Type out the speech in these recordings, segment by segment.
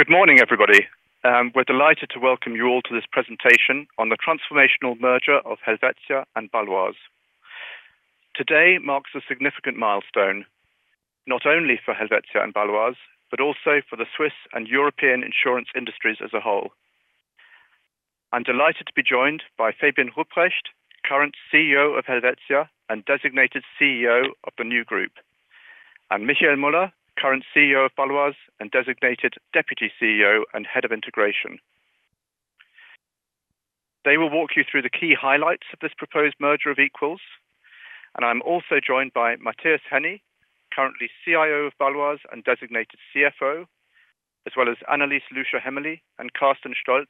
Good morning, everybody. We're delighted to welcome you all to this presentation on the transformational merger of Helvetia and Bâloise. Today marks a significant milestone, not only for Helvetia and Bâloise, but also for the Swiss and European insurance industries as a whole. I'm delighted to be joined by Fabian Rupprecht, current CEO of Helvetia and designated CEO of the new group, and Michiel Müller, current CEO of Bâloise and designated Deputy CEO and Head of Integration. They will walk you through the key highlights of this proposed merger of equals, and I'm also joined by Matthias Henny, currently CIO of Bâloise and designated CFO, as well as Annelis Lüscher Hämmerli and Carsten Stolz,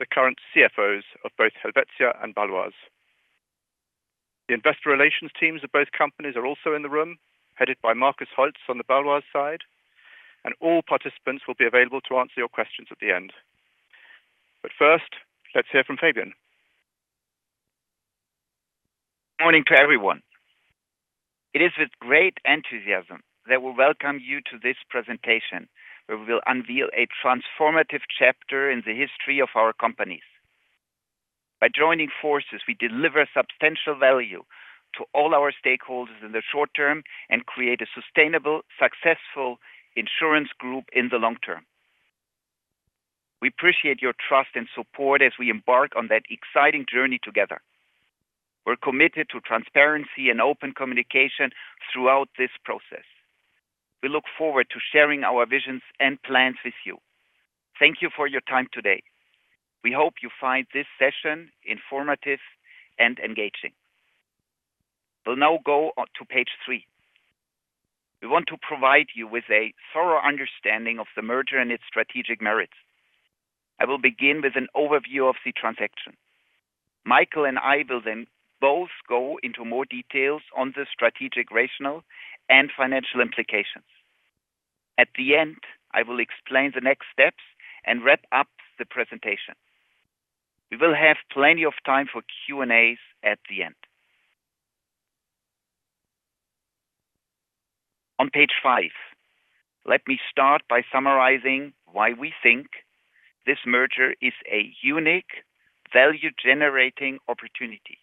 the current CFOs of both Helvetia and Bâloise. The investor relations teams of both companies are also in the room, headed by Markus Holtz on the Bâloise side, and all participants will be available to answer your questions at the end. First, let's hear from Fabian. Good morning to everyone. It is with great enthusiasm that we welcome you to this presentation, where we will unveil a transformative chapter in the history of our companies. By joining forces, we deliver substantial value to all our stakeholders in the short term and create a sustainable, successful insurance group in the long term. We appreciate your trust and support as we embark on that exciting journey together. We're committed to transparency and open communication throughout this process. We look forward to sharing our visions and plans with you. Thank you for your time today. We hope you find this session informative and engaging. We'll now go to page three. We want to provide you with a thorough understanding of the merger and its strategic merits. I will begin with an overview of the transaction. Michiel and I will then both go into more details on the strategic rationale and financial implications. At the end, I will explain the next steps and wrap up the presentation. We will have plenty of time for Q&As at the end. On page five, let me start by summarizing why we think this merger is a unique value-generating opportunity.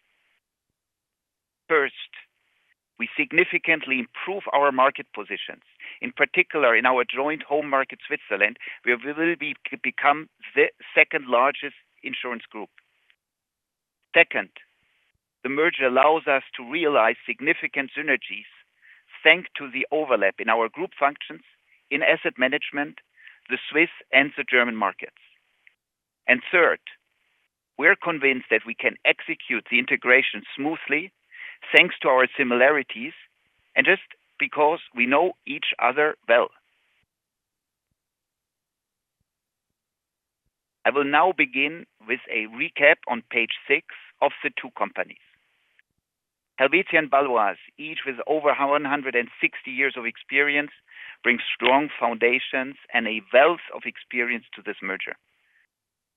First, we significantly improve our market positions, in particular in our joint home market, Switzerland, where we will become the second-largest insurance group. Second, the merger allows us to realize significant synergies, thanks to the overlap in our group functions in asset management, the Swiss and the German markets. Third, we're convinced that we can execute the integration smoothly, thanks to our similarities, and just because we know each other well. I will now begin with a recap on page six of the two companies. Helvetia and Bâloise, each with over 160 years of experience, bring strong foundations and a wealth of experience to this merger.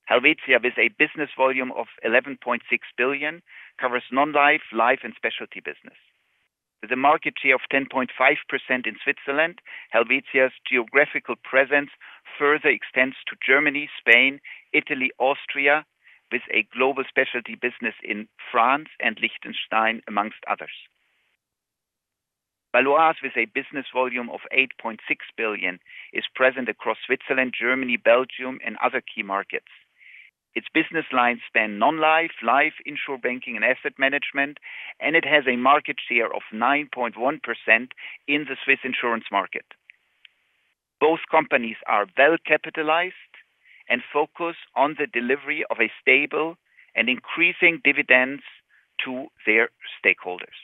Helvetia, with a business volume of 11.6 billion, covers non-life, life, and specialty business. With a market share of 10.5% in Switzerland, Helvetia's geographical presence further extends to Germany, Spain, Italy, Austria, with a global specialty business in France and Liechtenstein, amongst others. Bâloise, with a business volume of 8.6 billion, is present across Switzerland, Germany, Belgium, and other key markets. Its business lines span non-life, life, insurance banking, and asset management, and it has a market share of 9.1% in the Swiss insurance market. Both companies are well-capitalized and focus on the delivery of a stable and increasing dividends to their stakeholders.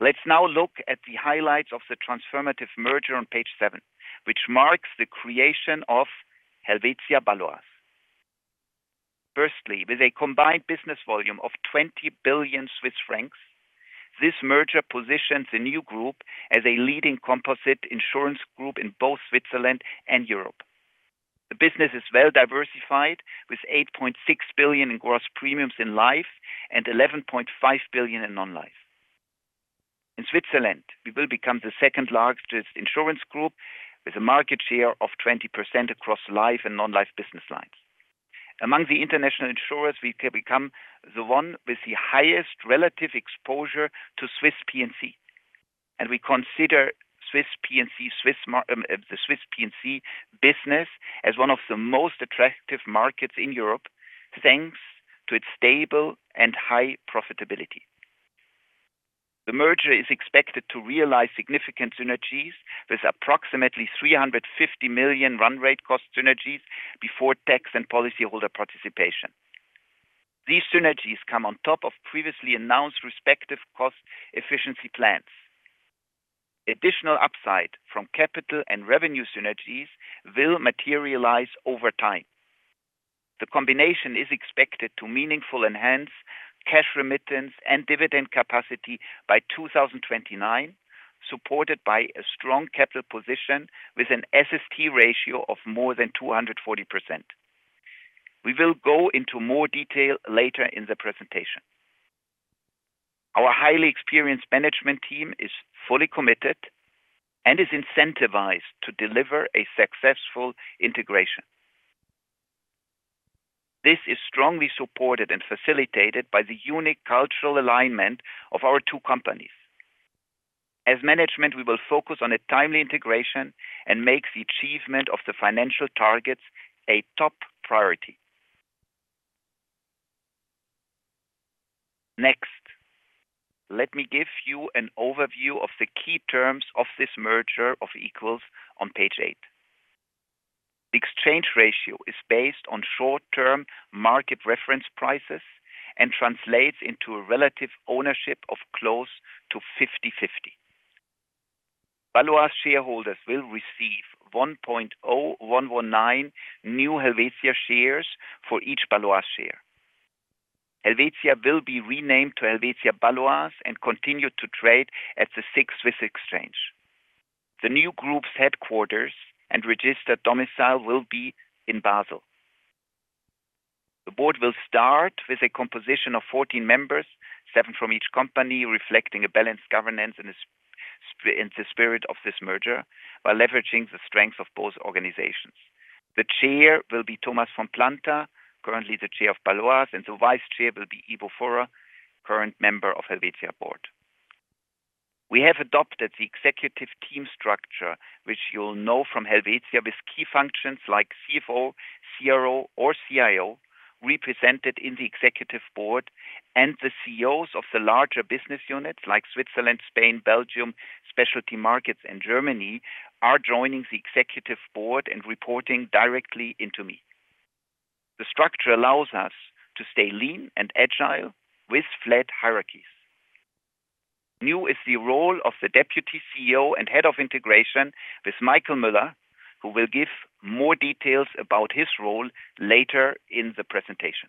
Let's now look at the highlights of the transformative merger on page seven, which marks the creation of Helvetia Bâloise. Firstly, with a combined business volume of 20 billion Swiss francs, this merger positions the new group as a leading composite insurance group in both Switzerland and Europe. The business is well-diversified, with 8.6 billion in gross premiums in life and 11.5 billion in non-life. In Switzerland, we will become the second-largest insurance group, with a market share of 20% across life and non-life business lines. Among the international insurers, we can become the one with the highest relative exposure to Swiss P&C, and we consider Swiss P&C business as one of the most attractive markets in Europe, thanks to its stable and high profitability. The merger is expected to realize significant synergies with approximately 350 million run rate cost synergies before tax and policyholder participation. These synergies come on top of previously announced respective cost efficiency plans. Additional upside from capital and revenue synergies will materialize over time. The combination is expected to meaningfully enhance cash remittance and dividend capacity by 2029, supported by a strong capital position with an SST ratio of more than 240%. We will go into more detail later in the presentation. Our highly experienced management team is fully committed and is incentivized to deliver a successful integration. This is strongly supported and facilitated by the unique cultural alignment of our two companies. As management, we will focus on a timely integration and make the achievement of the financial targets a top priority. Next, let me give you an overview of the key terms of this merger of equals on page eight. The exchange ratio is based on short-term market reference prices and translates into relative ownership of close to 50/50. Bâloise shareholders will receive 1.0119 new Helvetia shares for each Bâloise share. Helvetia will be renamed to Helvetia Bâloise and continue to trade at the SIX Swiss Exchange. The new group's headquarters and registered domicile will be in Basel. The board will start with a composition of 14 members, seven from each company, reflecting a balanced governance in the spirit of this merger while leveraging the strengths of both organizations. The chair will be Thomas von Planta, currently the chair of Bâloise, and the vice chair will be Ivo Führer, current member of Helvetia board. We have adopted the executive team structure, which you'll know from Helvetia, with key functions like CFO, CRO, or CIO represented in the executive board, and the CEOs of the larger business units like Switzerland, Spain, Belgium, specialty markets, and Germany are joining the executive board and reporting directly into me. The structure allows us to stay lean and agile with flat hierarchies. New is the role of the Deputy CEO and Head of Integration, with Michiel Müller, who will give more details about his role later in the presentation.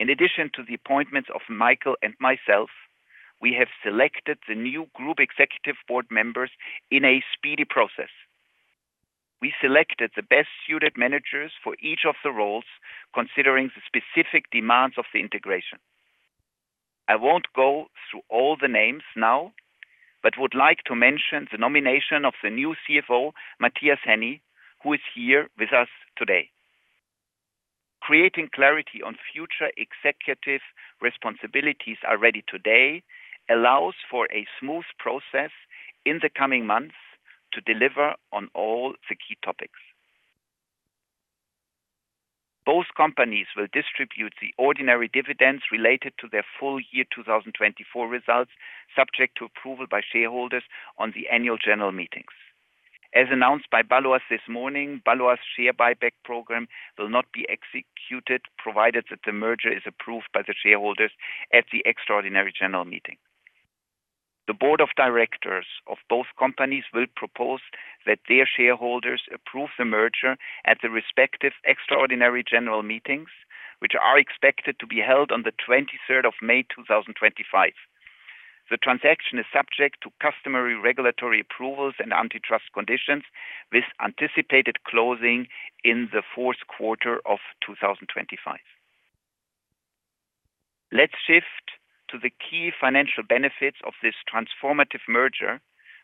In addition to the appointments of Michiel and myself, we have selected the new Group Executive Board members in a speedy process. We selected the best-suited managers for each of the roles, considering the specific demands of the integration. I won't go through all the names now, but would like to mention the nomination of the new CFO, Matthias Henny, who is here with us today. Creating clarity on future executive responsibilities already today allows for a smooth process in the coming months to deliver on all the key topics. Both companies will distribute the ordinary dividends related to their full year 2024 results, subject to approval by shareholders on the annual general meetings. As announced by Bâloise this morning, Bâloise's share buyback program will not be executed, provided that the merger is approved by the shareholders at the extraordinary general meeting. The Board of Directors of both companies will propose that their shareholders approve the merger at the respective extraordinary general meetings, which are expected to be held on the 23rd of May 2025. The transaction is subject to customary regulatory approvals and antitrust conditions, with anticipated closing in the fourth quarter of 2025. Let's shift to the key financial benefits of this transformative merger,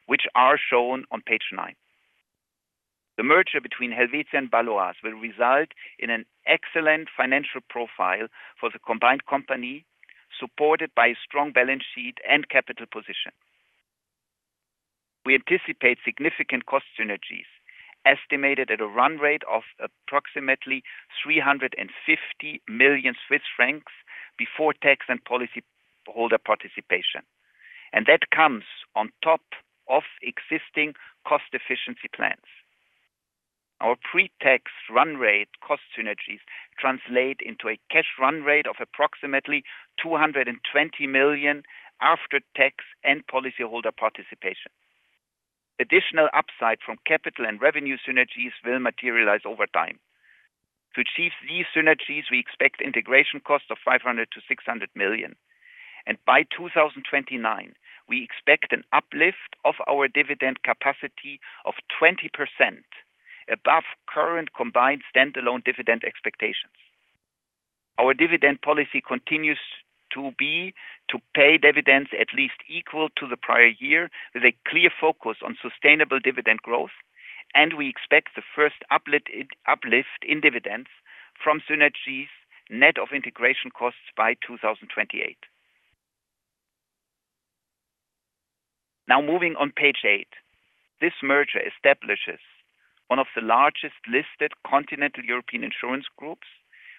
which are shown on page nine. The merger between Helvetia and Bâloise will result in an excellent financial profile for the combined company, supported by a strong balance sheet and capital position. We anticipate significant cost synergies estimated at a run rate of approximately 350 million Swiss francs before tax and policyholder participation, and that comes on top of existing cost efficiency plans. Our pre-tax run rate cost synergies translate into a cash run rate of approximately 220 million after tax and policyholder participation. Additional upside from capital and revenue synergies will materialize over time. To achieve these synergies, we expect integration costs of 500-600 million, and by 2029, we expect an uplift of our dividend capacity of 20% above current combined standalone dividend expectations. Our dividend policy continues to be to pay dividends at least equal to the prior year, with a clear focus on sustainable dividend growth, and we expect the first uplift in dividends from synergies net of integration costs by 2028. Now moving on page eight, this merger establishes one of the largest listed continental European insurance groups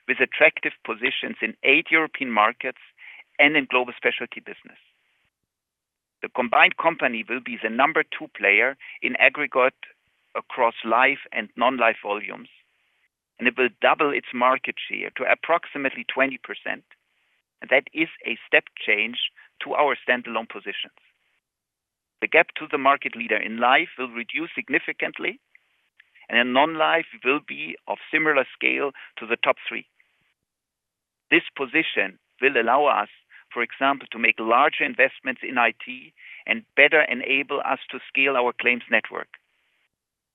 with attractive positions in eight European markets and in global specialty business. The combined company will be the number two player in aggregate across life and non-life volumes, and it will double its market share to approximately 20%. That is a step change to our standalone positions. The gap to the market leader in life will reduce significantly, and non-life will be of similar scale to the top three. This position will allow us, for example, to make larger investments in IT and better enable us to scale our claims network.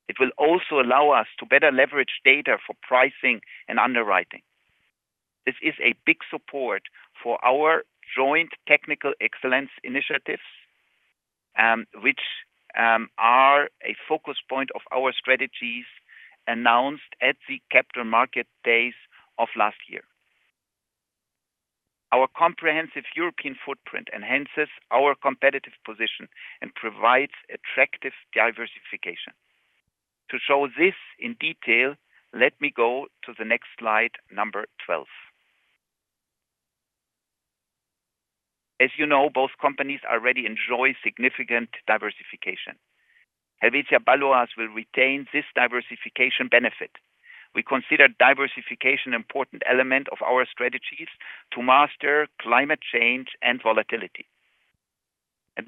It will also allow us to better leverage data for pricing and underwriting. This is a big support for our joint technical excellence initiatives, which are a focus point of our strategies announced at the Capital Market Days of last year. Our comprehensive European footprint enhances our competitive position and provides attractive diversification. To show this in detail, let me go to the next slide, number 12. As you know, both companies already enjoy significant diversification. Helvetia Bâloise will retain this diversification benefit. We consider diversification an important element of our strategies to master climate change and volatility.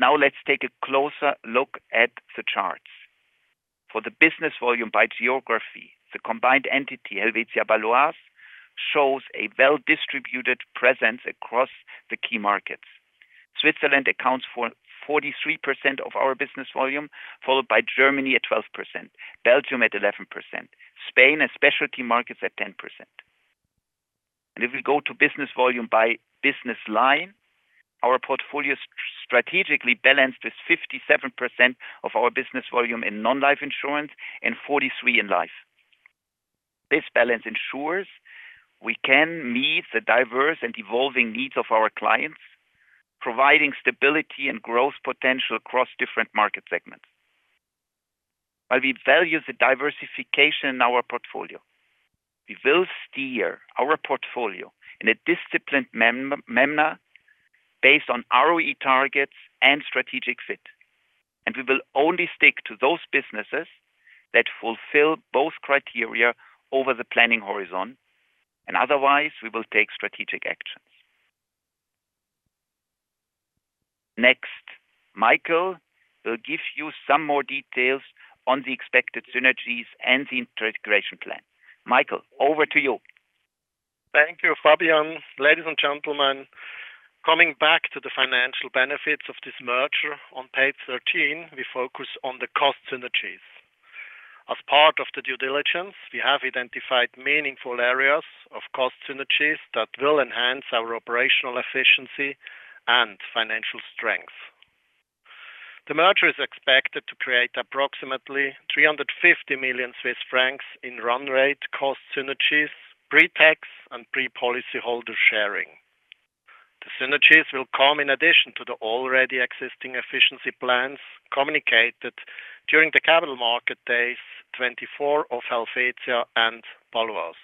Now let's take a closer look at the charts. For the business volume by geography, the combined entity Helvetia Bâloise shows a well-distributed presence across the key markets. Switzerland accounts for 43% of our business volume, followed by Germany at 12%, Belgium at 11%, Spain and specialty markets at 10%. If we go to business volume by business line, our portfolio is strategically balanced with 57% of our business volume in non-life insurance and 43% in life. This balance ensures we can meet the diverse and evolving needs of our clients, providing stability and growth potential across different market segments. While we value the diversification in our portfolio, we will steer our portfolio in a disciplined manner based on ROE targets and strategic fit, and we will only stick to those businesses that fulfill both criteria over the planning horizon, and otherwise, we will take strategic actions. Next, Michiel will give you some more details on the expected synergies and the integration plan. Michiel, over to you. Thank you, Fabian. Ladies and gentlemen, coming back to the financial benefits of this merger on page 13, we focus on the cost synergies. As part of the due diligence, we have identified meaningful areas of cost synergies that will enhance our operational efficiency and financial strength. The merger is expected to create approximately 350 million Swiss francs in run rate cost synergies, pre-tax and pre-policyholder sharing. The synergies will come in addition to the already existing efficiency plans communicated during the Capital Market Days 2024 of Helvetia and Bâloise.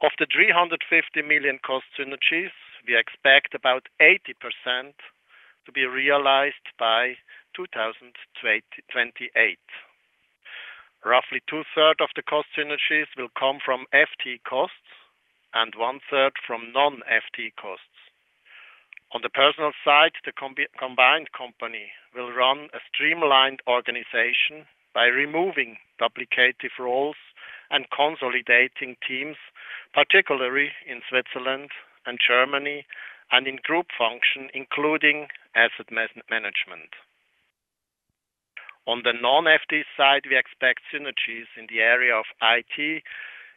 Of the 350 million cost synergies, we expect about 80% to be realized by 2028. Roughly two-thirds of the cost synergies will come from FTE costs and one-third from non-FTE costs. On the personal side, the combined company will run a streamlined organization by removing duplicative roles and consolidating teams, particularly in Switzerland and Germany and in group function, including Asset Management. On the non-FTE side, we expect synergies in the area of IT,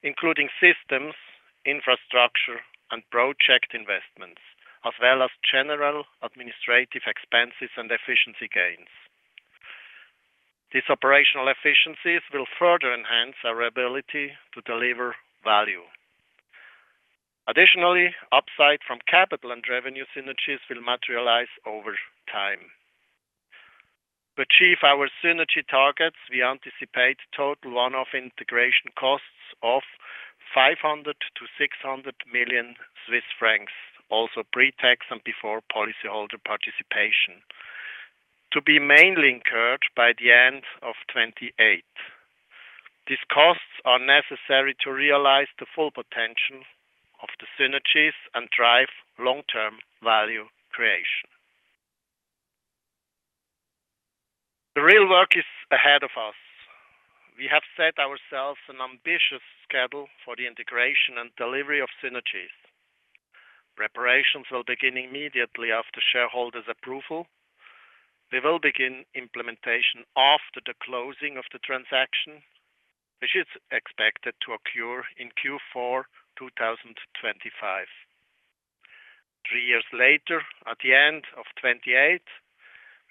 including systems, infrastructure, and project investments, as well as general administrative expenses and efficiency gains. These operational efficiencies will further enhance our ability to deliver value. Additionally, upside from capital and revenue synergies will materialize over time. To achieve our synergy targets, we anticipate total one-off integration costs of 500 million-600 million Swiss francs, also pre-tax and before policyholder participation, to be mainly incurred by the end of 2028. These costs are necessary to realize the full potential of the synergies and drive long-term value creation. The real work is ahead of us. We have set ourselves an ambitious schedule for the integration and delivery of synergies. Preparations will begin immediately after shareholders' approval. We will begin implementation after the closing of the transaction, which is expected to occur in Q4 2025. Three years later, at the end of 2028,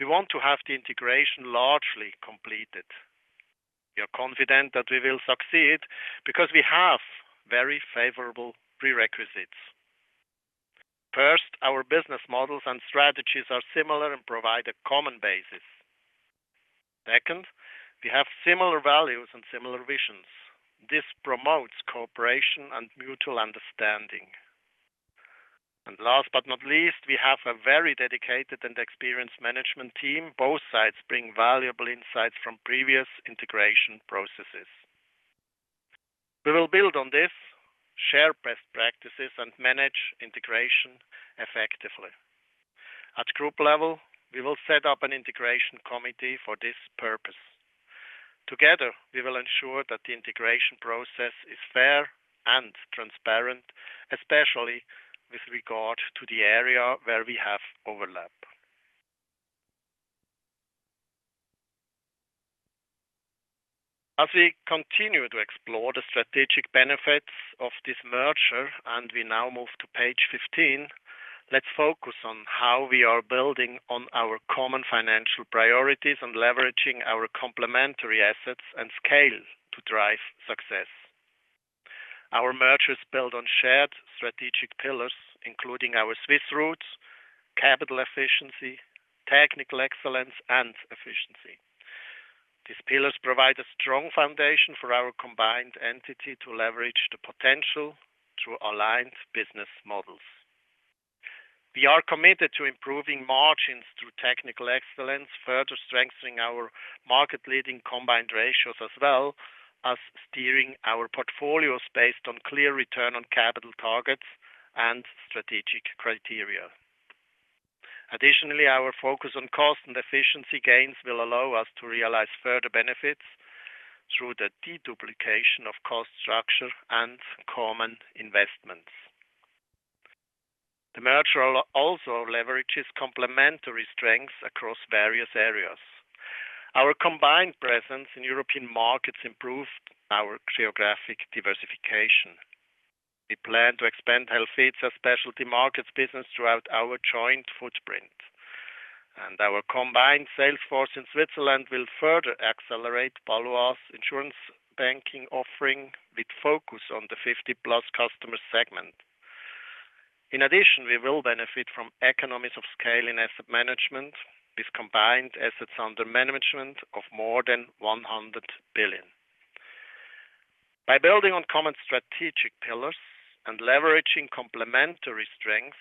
we want to have the integration largely completed. We are confident that we will succeed because we have very favorable prerequisites. First, our business models and strategies are similar and provide a common basis. Second, we have similar values and similar visions. This promotes cooperation and mutual understanding. Last but not least, we have a very dedicated and experienced management team. Both sides bring valuable insights from previous integration processes. We will build on this, share best practices, and manage integration effectively. At group level, we will set up an integration committee for this purpose. Together, we will ensure that the integration process is fair and transparent, especially with regard to the area where we have overlap. As we continue to explore the strategic benefits of this merger, and we now move to page 15, let's focus on how we are building on our common financial priorities and leveraging our complementary assets and scale to drive success. Our mergers build on shared strategic pillars, including our Swiss roots, capital efficiency, technical excellence, and efficiency. These pillars provide a strong foundation for our combined entity to leverage the potential through aligned business models. We are committed to improving margins through technical excellence, further strengthening our market-leading combined ratios as well as steering our portfolios based on clear return on capital targets and strategic criteria. Additionally, our focus on cost and efficiency gains will allow us to realize further benefits through the deduplication of cost structure and common investments. The merger also leverages complementary strengths across various areas. Our combined presence in European markets improves our geographic diversification. We plan to expand Helvetia's specialty markets business throughout our joint footprint, and our combined sales force in Switzerland will further accelerate Bâloise's insurance banking offering with focus on the 50-plus customer segment. In addition, we will benefit from economies of scale in asset management with combined assets under management of more than 100 billion. By building on common strategic pillars and leveraging complementary strengths,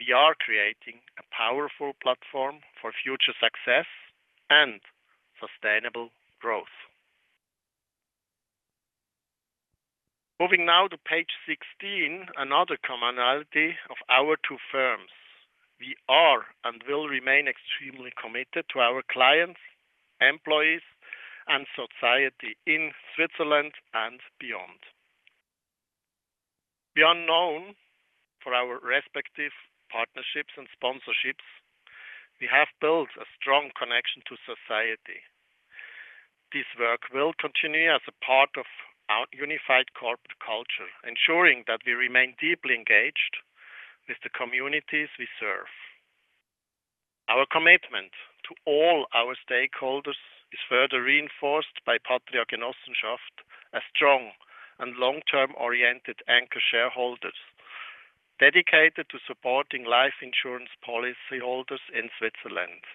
we are creating a powerful platform for future success and sustainable growth. Moving now to page 16, another commonality of our two firms. We are and will remain extremely committed to our clients, employees, and society in Switzerland and beyond. Beyond known for our respective partnerships and sponsorships, we have built a strong connection to society. This work will continue as a part of our unified corporate culture, ensuring that we remain deeply engaged with the communities we serve. Our commitment to all our stakeholders is further reinforced by Patria Genossenschaft, a strong and long-term oriented anchor shareholder dedicated to supporting life insurance policyholders in Switzerland.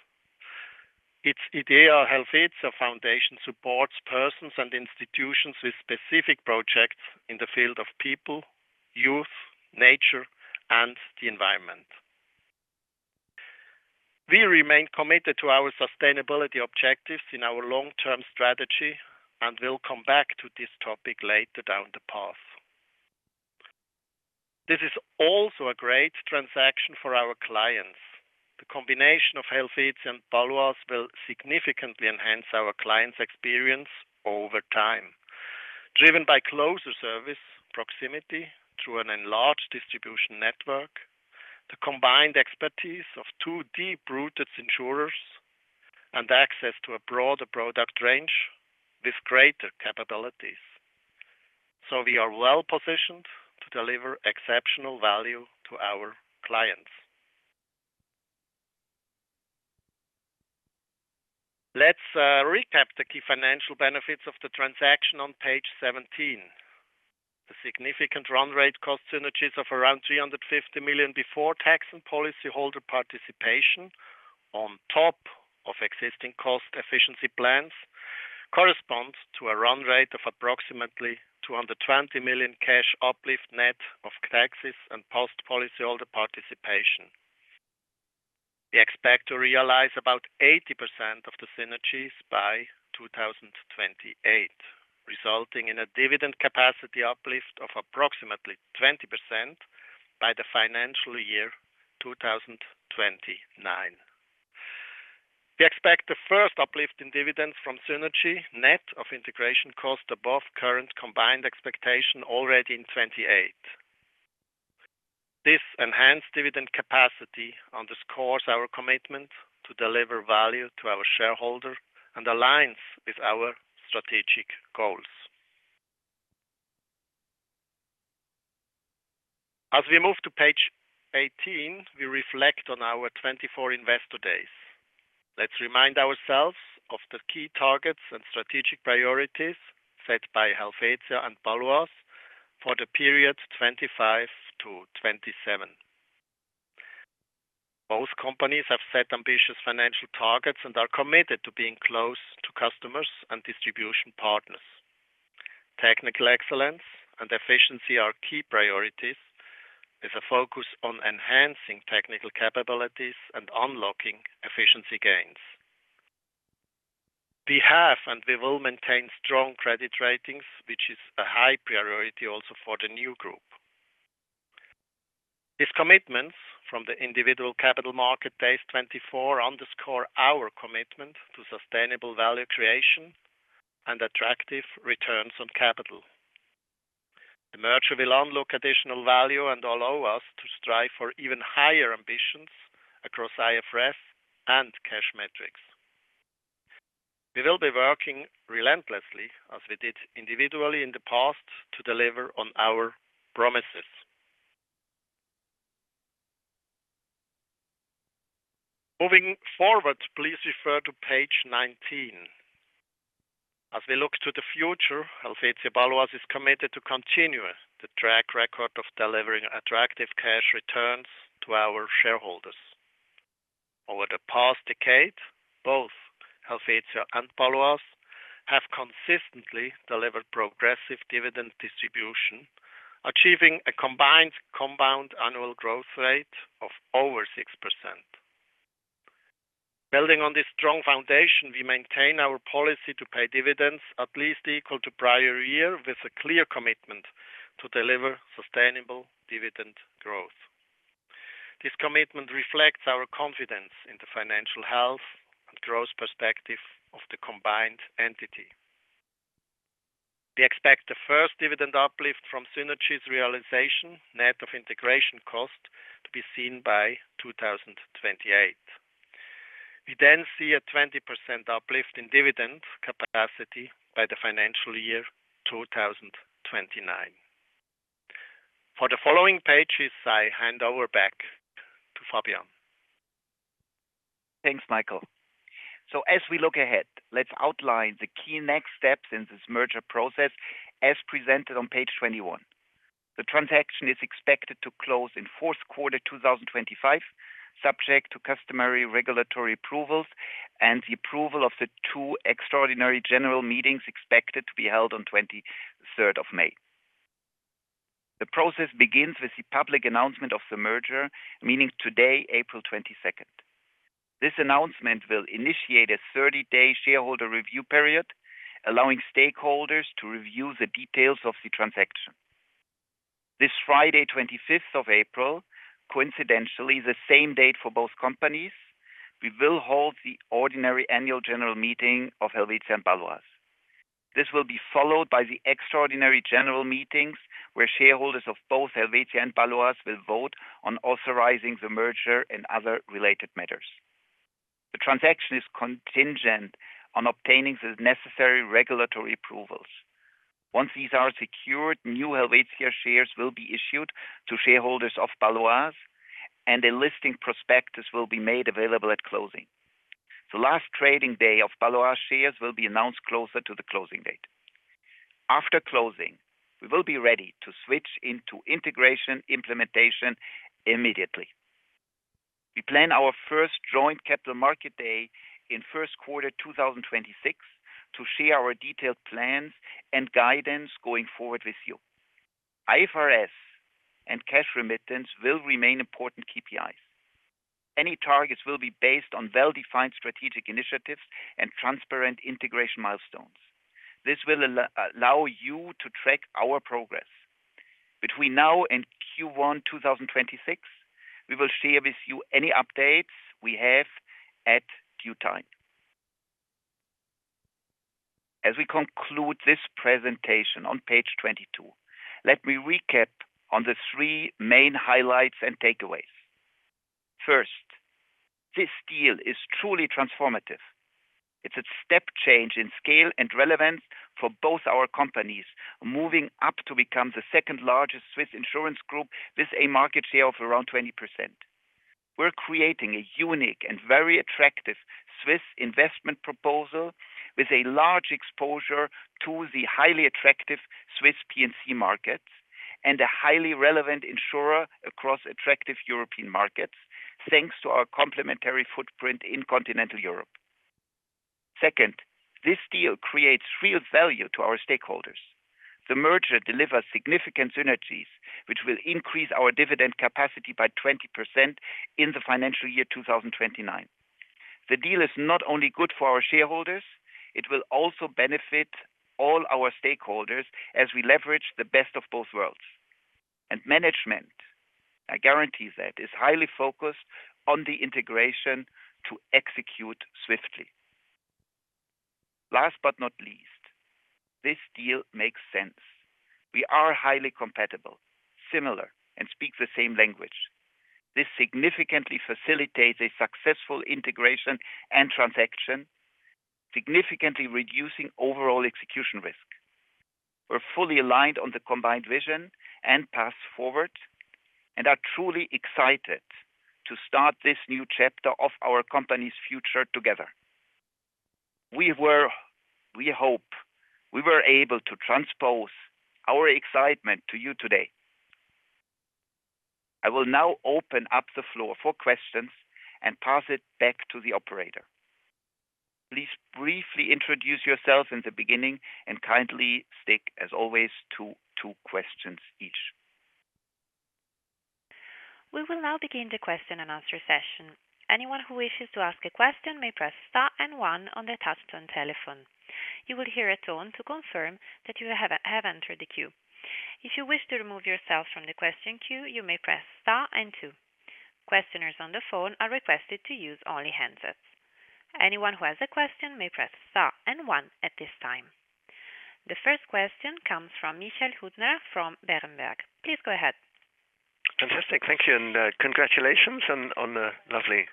Its idea, Helvetia Foundation, supports persons and institutions with specific projects in the field of people, youth, nature, and the environment. We remain committed to our sustainability objectives in our long-term strategy and will come back to this topic later down the path. This is also a great transaction for our clients. The combination of Helvetia and Bâloise will significantly enhance our clients' experience over time, driven by closer service proximity through an enlarged distribution network, the combined expertise of two deep-rooted insurers, and access to a broader product range with greater capabilities. We are well positioned to deliver exceptional value to our clients. Let's recap the key financial benefits of the transaction on page 17. The significant run rate cost synergies of around 350 million before tax and policyholder participation on top of existing cost efficiency plans correspond to a run rate of approximately 220 million cash uplift net of taxes and post policyholder participation. We expect to realize about 80% of the synergies by 2028, resulting in a dividend capacity uplift of approximately 20% by the financial year 2029. We expect the first uplift in dividends from synergy net of integration cost above current combined expectation already in 2028. This enhanced dividend capacity underscores our commitment to deliver value to our shareholder and aligns with our strategic goals. As we move to page 18, we reflect on our 2024 investor days. Let's remind ourselves of the key targets and strategic priorities set by Helvetia and Bâloise for the period 2025 to 2027. Both companies have set ambitious financial targets and are committed to being close to customers and distribution partners. Technical excellence and efficiency are key priorities with a focus on enhancing technical capabilities and unlocking efficiency gains. We have and we will maintain strong credit ratings, which is a high priority also for the new group. These commitments from the individual capital market days 2024 underscore our commitment to sustainable value creation and attractive returns on capital. The merger will unlock additional value and allow us to strive for even higher ambitions across IFRS and cash metrics. We will be working relentlessly, as we did individually in the past, to deliver on our promises. Moving forward, please refer to page 19. As we look to the future, Helvetia Bâloise is committed to continue the track record of delivering attractive cash returns to our shareholders. Over the past decade, both Helvetia and Bâloise have consistently delivered progressive dividend distribution, achieving a combined compound annual growth rate of over 6%. Building on this strong foundation, we maintain our policy to pay dividends at least equal to prior year with a clear commitment to deliver sustainable dividend growth. This commitment reflects our confidence in the financial health and growth perspective of the combined entity. We expect the first dividend uplift from synergies realization net of integration cost to be seen by 2028. We then see a 20% uplift in dividend capacity by the financial year 2029. For the following pages, I hand over back to Fabian. Thanks, Michiel. As we look ahead, let's outline the key next steps in this merger process as presented on page 21. The transaction is expected to close in fourth quarter 2025, subject to customary regulatory approvals and the approval of the two extraordinary general meetings expected to be held on 23rd of May. The process begins with the public announcement of the merger, meaning today, April 22nd. This announcement will initiate a 30-day shareholder review period, allowing stakeholders to review the details of the transaction. This Friday, 25th of April, coincidentally the same date for both companies, we will hold the ordinary annual general meeting of Helvetia and Bâloise. This will be followed by the extraordinary general meetings where shareholders of both Helvetia and Bâloise will vote on authorizing the merger and other related matters. The transaction is contingent on obtaining the necessary regulatory approvals. Once these are secured, new Helvetia shares will be issued to shareholders of Bâloise, and a listing prospectus will be made available at closing. The last trading day of Bâloise shares will be announced closer to the closing date. After closing, we will be ready to switch into integration implementation immediately. We plan our first joint capital market day in first quarter 2026 to share our detailed plans and guidance going forward with you. IFRS and cash remittance will remain important KPIs. Any targets will be based on well-defined strategic initiatives and transparent integration milestones. This will allow you to track our progress. Between now and Q1 2026, we will share with you any updates we have at due time. As we conclude this presentation on page 22, let me recap on the three main highlights and takeaways. First, this deal is truly transformative. It's a step change in scale and relevance for both our companies, moving up to become the second largest Swiss insurance group with a market share of around 20%. We're creating a unique and very attractive Swiss investment proposal with a large exposure to the highly attractive Swiss P&C markets and a highly relevant insurer across attractive European markets, thanks to our complementary footprint in continental Europe. Second, this deal creates real value to our stakeholders. The merger delivers significant synergies, which will increase our dividend capacity by 20% in the financial year 2029. The deal is not only good for our shareholders; it will also benefit all our stakeholders as we leverage the best of both worlds. Management, I guarantee that, is highly focused on the integration to execute swiftly. Last but not least, this deal makes sense. We are highly compatible, similar, and speak the same language. This significantly facilitates a successful integration and transaction, significantly reducing overall execution risk. We're fully aligned on the combined vision and path forward and are truly excited to start this new chapter of our company's future together. We hope we were able to transpose our excitement to you today. I will now open up the floor for questions and pass it back to the operator. Please briefly introduce yourself in the beginning and kindly stick, as always, to two questions each. We will now begin the question and answer session. Anyone who wishes to ask a question may press Star and One on the touchstone telephone. You will hear a tone to confirm that you have entered the queue. If you wish to remove yourself from the question queue, you may press Star and Two. Questioners on the phone are requested to use only handsets. Anyone who has a question may press Star and One at this time. The first question comes from Michael Huttner from Berenberg. Please go ahead. Fantastic. Thank you and congratulations on the lovely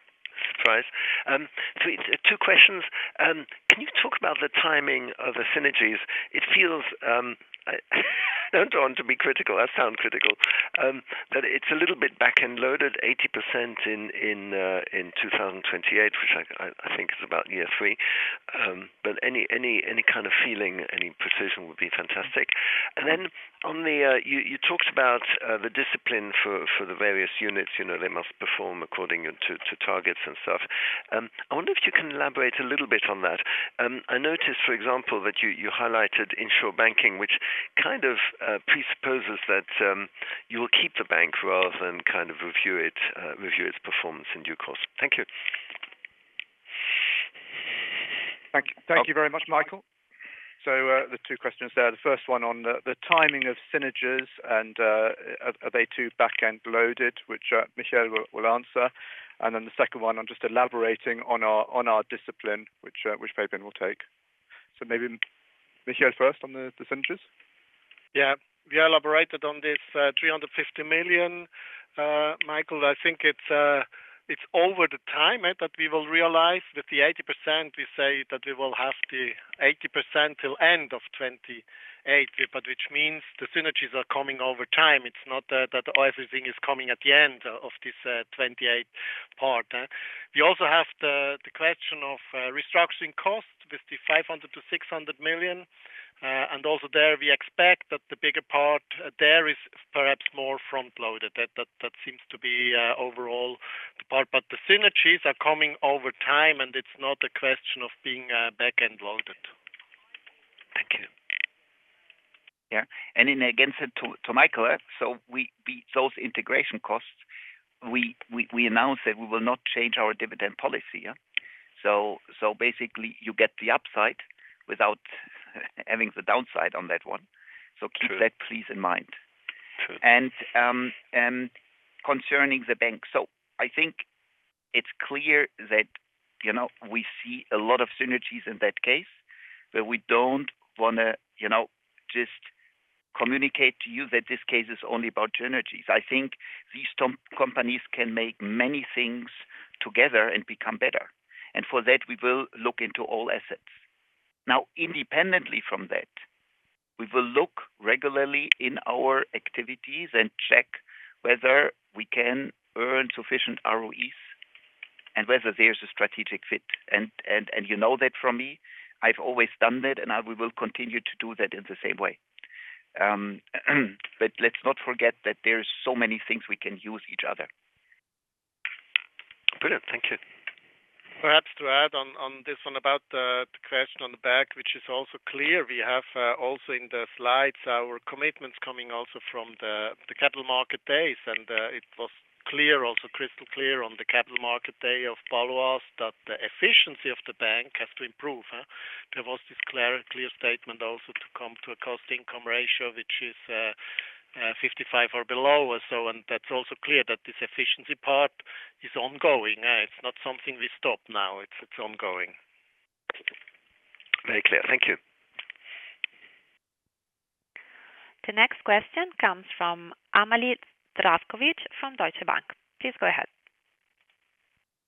surprise. Two questions. Can you talk about the timing of the synergies? It feels, do not want to be critical, I sound critical, that it is a little bit back and loaded, 80% in 2028, which I think is about year three. Any kind of feeling, any precision would be fantastic. On the, you talked about the discipline for the various units. They must perform according to targets and stuff. I wonder if you can elaborate a little bit on that. I noticed, for example, that you highlighted insurance banking, which kind of presupposes that you will keep the bank rather than kind of review its performance in due course. Thank you. Thank you very much, Michael. The two questions there. The first one on the timing of synergies and are they too back and loaded, which Michiel will answer. The second one on just elaborating on our discipline, which Fabian will take. Maybe Michiel first on the synergies. Yeah, we elaborated on this 350 million. Michael, I think it is over the time that we will realize with the 80%. We say that we will have the 80% till end of 2028, which means the synergies are coming over time. It is not that everything is coming at the end of this 2028 part. We also have the question of restructuring cost with the 500-600 million. Also there, we expect that the bigger part there is perhaps more front-loaded. That seems to be overall the part. The synergies are coming over time, and it is not a question of being back and loaded. Thank you. Yeah. In addition to Michiel, those integration costs, we announced that we will not change our dividend policy. Basically, you get the upside without having the downside on that one. Keep that, please, in mind. Concerning the bank, I think it's clear that we see a lot of synergies in that case, but we don't want to just communicate to you that this case is only about synergies. I think these companies can make many things together and become better. For that, we will look into all assets. Now, independently from that, we will look regularly in our activities and check whether we can earn sufficient ROEs and whether there's a strategic fit. You know that from me. I've always done that, and we will continue to do that in the same way. Let's not forget that there are so many things we can use each other. Brilliant. Thank you. Perhaps to add on this one about the question on the back, which is also clear. We have also in the slides our commitments coming also from the capital market days. It was clear, also crystal clear on the capital market day of Bâloise, that the efficiency of the bank has to improve. There was this clear statement also to come to a cost-income ratio, which is 55 or below. That is also clear that this efficiency part is ongoing. It's not something we stop now. It's ongoing. Very clear. Thank you. The next question comes from Amalie Zdravkovic from Deutsche Bank. Please go ahead.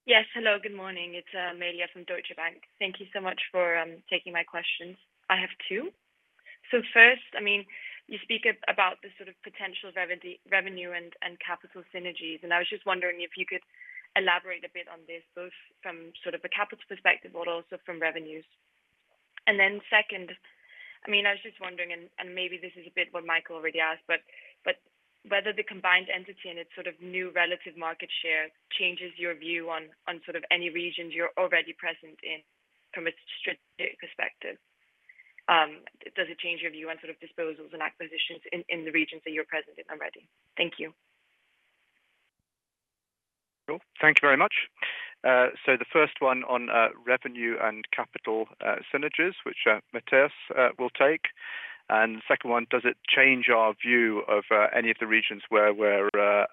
Yes. Hello. Good morning. It's Amalie from Deutsche Bank. Thank you so much for taking my questions. I have two. First, I mean, you speak about the sort of potential revenue and capital synergies. I was just wondering if you could elaborate a bit on this, both from sort of a capital perspective or also from revenues. Second, I mean, I was just wondering, and maybe this is a bit what Michael already asked, but whether the combined entity and its sort of new relative market share changes your view on sort of any regions you're already present in from a strategic perspective. Does it change your view on sort of disposals and acquisitions in the regions that you're present in already? Thank you. Cool. Thank you very much. The first one on revenue and capital synergies, which Matthias will take. The second one, does it change our view of any of the regions where we're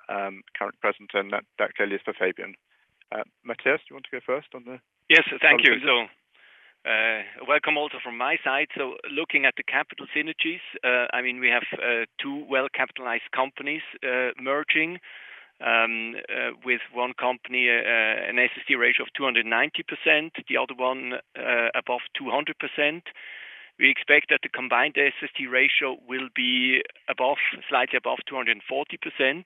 currently present? That clearly is for Fabian. Matthias, do you want to go first on the? Yes. Thank you. So welcome also from my side. Looking at the capital synergies, I mean, we have two well-capitalized companies merging with one company, an SST ratio of 290%, the other one above 200%. We expect that the combined SST ratio will be slightly above 240%.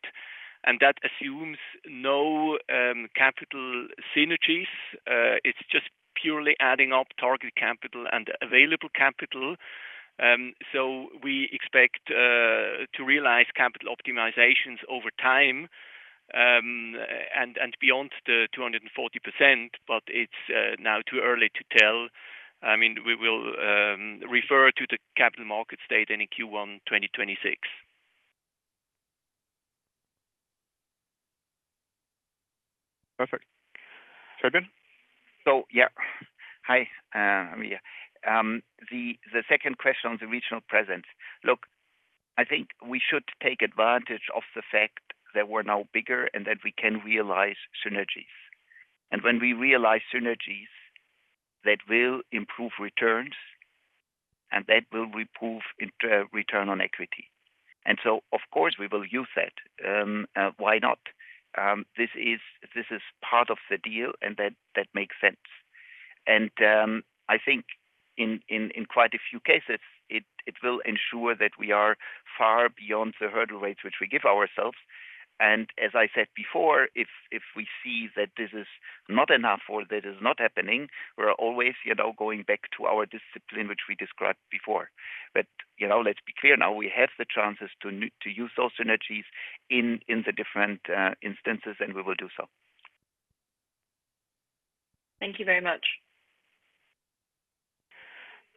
That assumes no capital synergies. It is just purely adding up target capital and available capital. We expect to realize capital optimizations over time and beyond the 240%, but it is now too early to tell. I mean, we will refer to the capital market state in Q1 2026. Perfect. Fabian? Yeah. Hi, Amelia. The second question on the regional presence. Look, I think we should take advantage of the fact that we are now bigger and that we can realize synergies. When we realize synergies, that will improve returns and that will improve return on equity. Of course, we will use that. Why not? This is part of the deal, and that makes sense. I think in quite a few cases, it will ensure that we are far beyond the hurdle rates which we give ourselves. As I said before, if we see that this is not enough or that is not happening, we're always going back to our discipline, which we described before. Let's be clear now, we have the chances to use those synergies in the different instances, and we will do so. Thank you very much.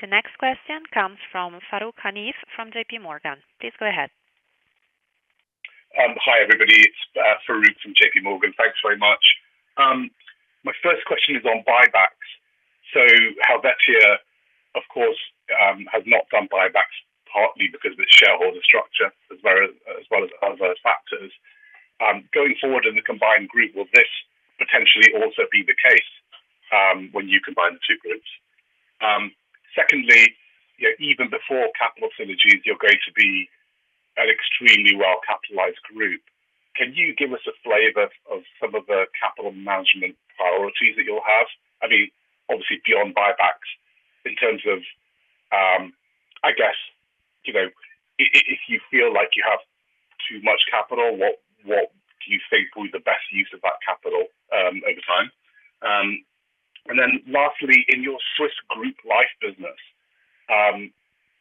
The next question comes from Farooq Hanif from J.P. Morgan. Please go ahead. Hi, everybody. It's Farooq from J.P. Morgan. Thanks very much. My first question is on buybacks. Helvetia, of course, has not done buybacks, partly because of its shareholder structure as well as other factors. Going forward in the combined group, will this potentially also be the case when you combine the two groups? Secondly, even before capital synergies, you're going to be an extremely well-capitalized group. Can you give us a flavor of some of the capital management priorities that you'll have? I mean, obviously, beyond buybacks, in terms of, I guess, if you feel like you have too much capital, what do you think will be the best use of that capital over time? Lastly, in your Swiss group life business,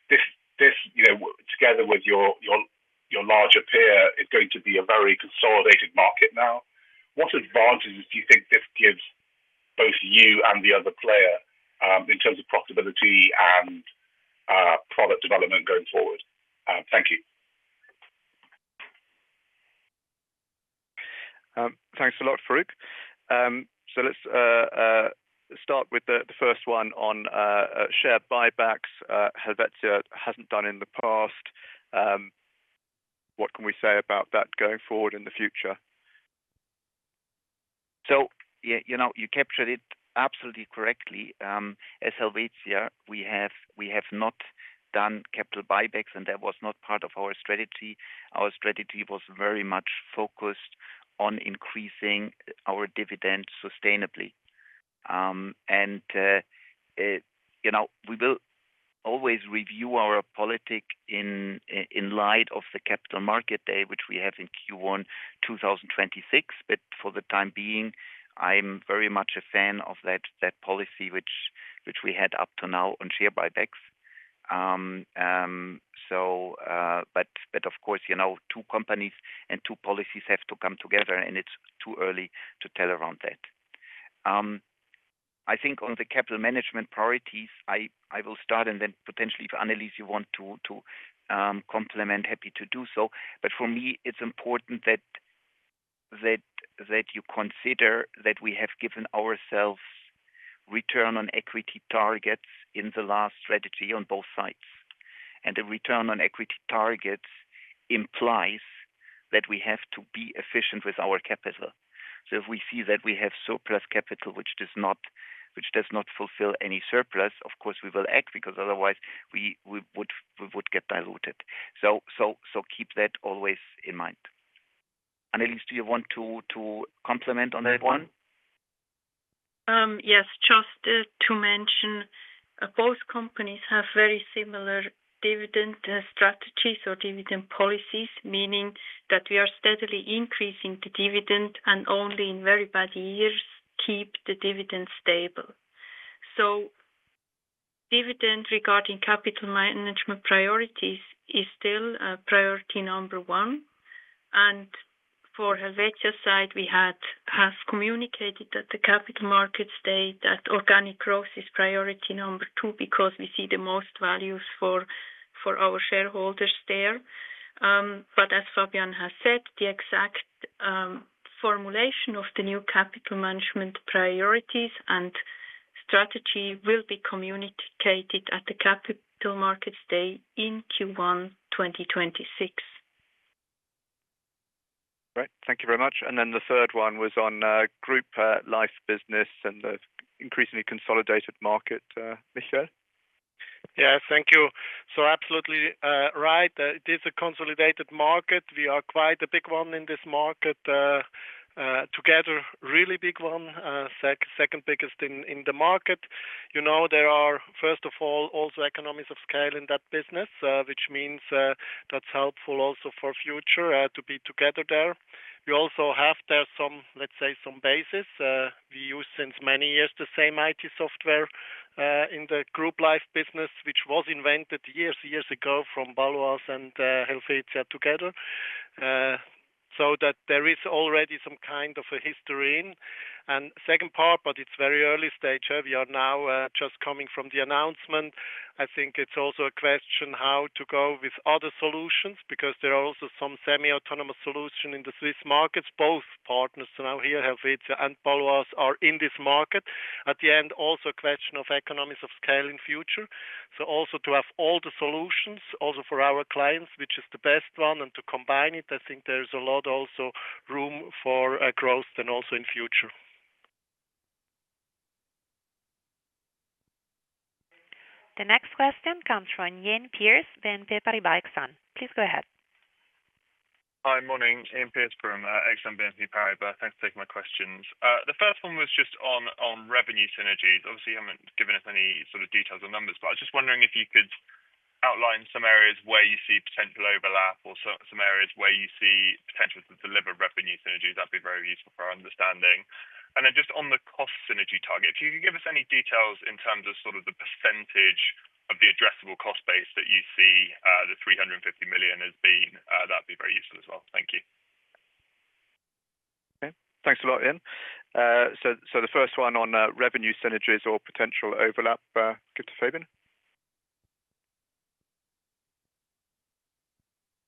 together with your larger peer, it's going to be a very consolidated market now. What advantages do you think this gives both you and the other player in terms of profitability and product development going forward? Thank you. Thanks a lot, Farooq. Let's start with the first one on share buybacks. Helvetia hasn't done in the past. What can we say about that going forward in the future? You captured it absolutely correctly. As Helvetia, we have not done capital buybacks, and that was not part of our strategy. Our strategy was very much focused on increasing our dividend sustainably. We will always review our politic in light of the capital market day, which we have in Q1 2026. For the time being, I'm very much a fan of that policy which we had up to now on share buybacks. Of course, two companies and two policies have to come together, and it's too early to tell around that. I think on the capital management priorities, I will start, and then potentially, if Annelis, you want to complement, happy to do so. For me, it's important that you consider that we have given ourselves return on equity targets in the last strategy on both sides. The return on equity targets implies that we have to be efficient with our capital. If we see that we have surplus capital, which does not fulfill any surplus, of course, we will act because otherwise, we would get diluted. Keep that always in mind. Annelis, do you want to complement on that one? Yes. Just to mention, both companies have very similar dividend strategies or dividend policies, meaning that we are steadily increasing the dividend and only in very bad years keep the dividend stable. Dividend regarding capital management priorities is still priority number one. For Helvetia's side, we have communicated that the capital markets state that organic growth is priority number two because we see the most values for our shareholders there. As Fabian has said, the exact formulation of the new capital management priorities and strategy will be communicated at the Capital Markets Day in Q1 2026. Right. Thank you very much. The third one was on group life business and the increasingly consolidated market, Michiel. Thank you. Absolutely right. It is a consolidated market. We are quite a big one in this market together, really big one, second biggest in the market. There are, first of all, also economies of scale in that business, which means that's helpful also for future to be together there. We also have there, let's say, some basis. We use since many years the same IT software in the group life business, which was invented years and years ago from Bâloise and Helvetia together. There is already some kind of a history in. Second part, but it's very early stage. We are now just coming from the announcement. I think it's also a question how to go with other solutions because there are also some semi-autonomous solutions in the Swiss markets. Both partners now here, Helvetia and Bâloise, are in this market. At the end, also a question of economies of scale in future. Also to have all the solutions also for our clients, which is the best one, and to combine it, I think there's a lot also room for growth and also in future. The next question comes from Iain Pearce BNP Paribas Exane. Please go ahead. Hi, morning. Iain Pearce from BNP Paribas Exane. Thanks for taking my questions. The first one was just on revenue synergies. Obviously, you haven't given us any sort of details or numbers, but I was just wondering if you could outline some areas where you see potential overlap or some areas where you see potential to deliver revenue synergies. That'd be very useful for our understanding. And then just on the cost synergy target, if you could give us any details in terms of sort of the percentage of the addressable cost base that you see the 350 million as being, that'd be very useful as well. Thank you. Okay. Thanks a lot, Iain. The first one on revenue synergies or potential overlap, give it to Fabian.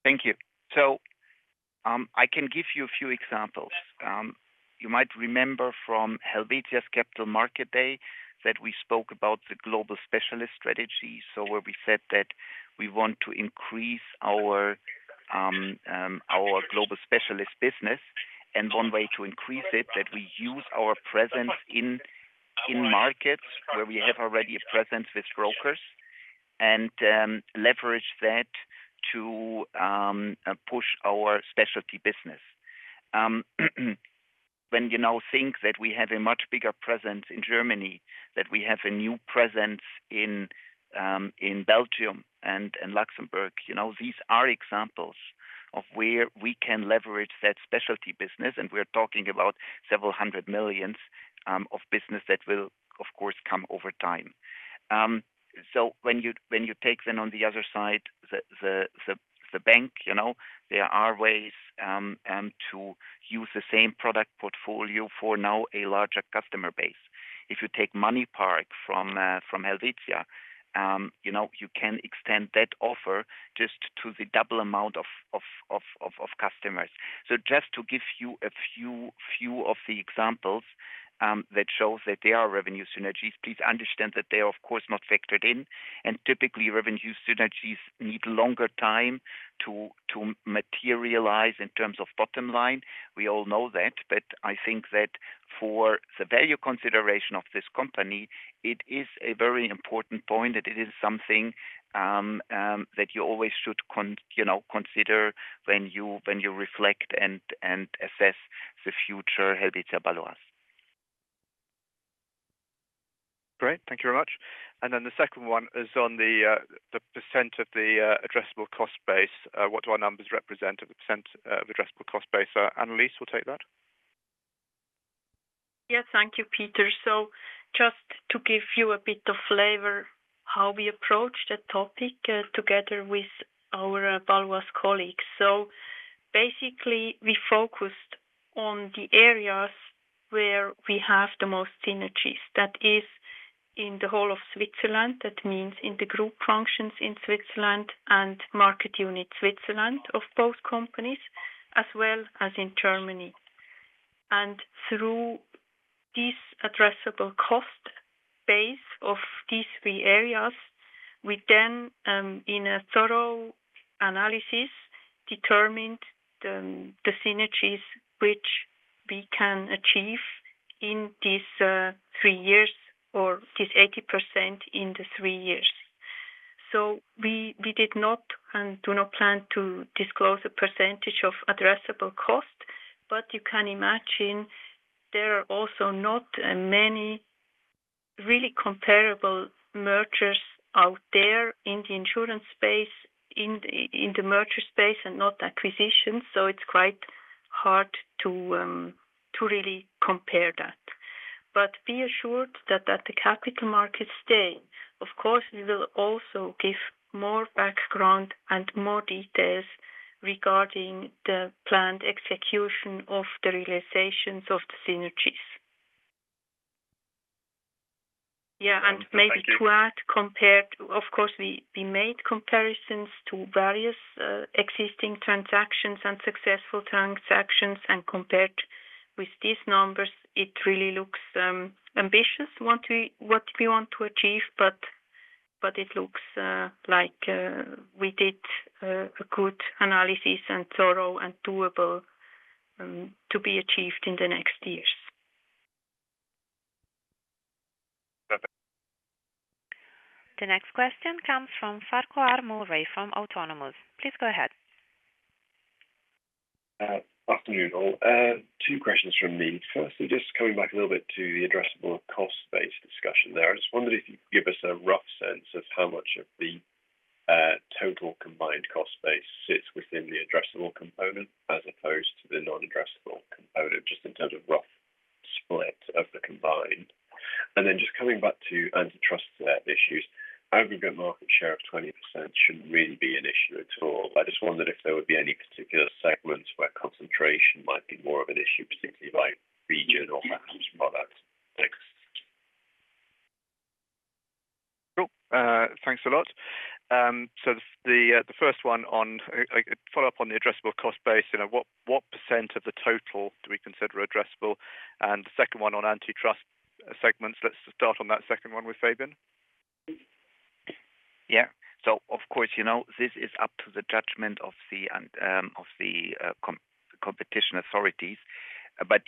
Thank you. I can give you a few examples. You might remember from Helvetia's capital market day that we spoke about the global specialist strategy. Where we said that we want to increase our global specialist business. One way to increase it is that we use our presence in markets where we already have a presence with brokers and leverage that to push our specialty business. When you now think that we have a much bigger presence in Germany, that we have a new presence in Belgium and Luxembourg, these are examples of where we can leverage that specialty business. We're talking about several hundred million of business that will, of course, come over time. When you take then on the other side, the bank, there are ways to use the same product portfolio for now a larger customer base. If you take MoneyPark from Helvetia, you can extend that offer just to the double amount of customers. Just to give you a few of the examples that show that there are revenue synergies, please understand that they are, of course, not factored in. Typically, revenue synergies need longer time to materialize in terms of bottom line. We all know that. I think that for the value consideration of this company, it is a very important point that it is something that you always should consider when you reflect and assess the future Helvetia Bâloise. Great. Thank you very much. The second one is on the % of the addressable cost base. What do our numbers represent of the % of addressable cost base? Annelis will take that. Yes. Thank you, Peter.Just to give you a bit of flavor how we approached that topic together with our Bâloise colleagues. Basically, we focused on the areas where we have the most synergies. That is in the whole of Switzerland. That means in the group functions in Switzerland and market unit Switzerland of both companies as well as in Germany. Through this addressable cost base of these three areas, we then, in a thorough analysis, determined the synergies which we can achieve in these three years or this 80% in the three years. We did not and do not plan to disclose a percentage of addressable cost, but you can imagine there are also not many really comparable mergers out there in the insurance space, in the merger space, and not acquisitions. It is quite hard to really compare that. Be assured that at the capital market stage, of course, we will also give more background and more details regarding the planned execution of the realizations of the synergies. Yeah. Maybe to add, compared, of course, we made comparisons to various existing transactions and successful transactions and compared with these numbers. It really looks ambitious what we want to achieve, but it looks like we did a good analysis and thorough and doable to be achieved in the next years. Perfect. The next question comes from Farquhar Murray from Autonomous. Please go ahead. Afternoon, all. Two questions from me. Firstly, just coming back a little bit to the addressable cost base discussion there. I just wondered if you could give us a rough sense of how much of the total combined cost base sits within the addressable component as opposed to the non-addressable component, just in terms of rough split of the combined. I just wondered if there would be any particular segments where concentration might be more of an issue, particularly by region or perhaps product. Thanks. Cool. Thanks a lot. The first one on a follow-up on the addressable cost base, what percent of the total do we consider addressable? The second one on antitrust segments. Let's start on that second one with Fabian. Yeah. Of course, this is up to the judgment of the competition authorities.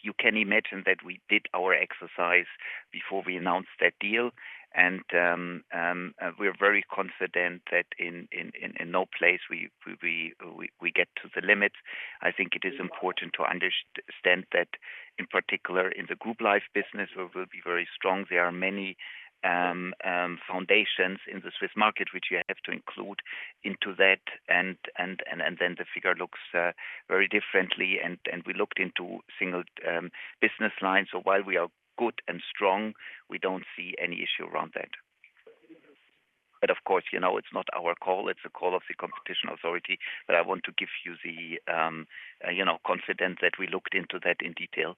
You can imagine that we did our exercise before we announced that deal. We are very confident that in no place we get to the limit. I think it is important to understand that, in particular, in the group life business, where we will be very strong, there are many foundations in the Swiss market which you have to include into that. Then the figure looks very differently. We looked into single business lines. While we are good and strong, we do not see any issue around that. Of course, it is not our call. It is a call of the competition authority. I want to give you the confidence that we looked into that in detail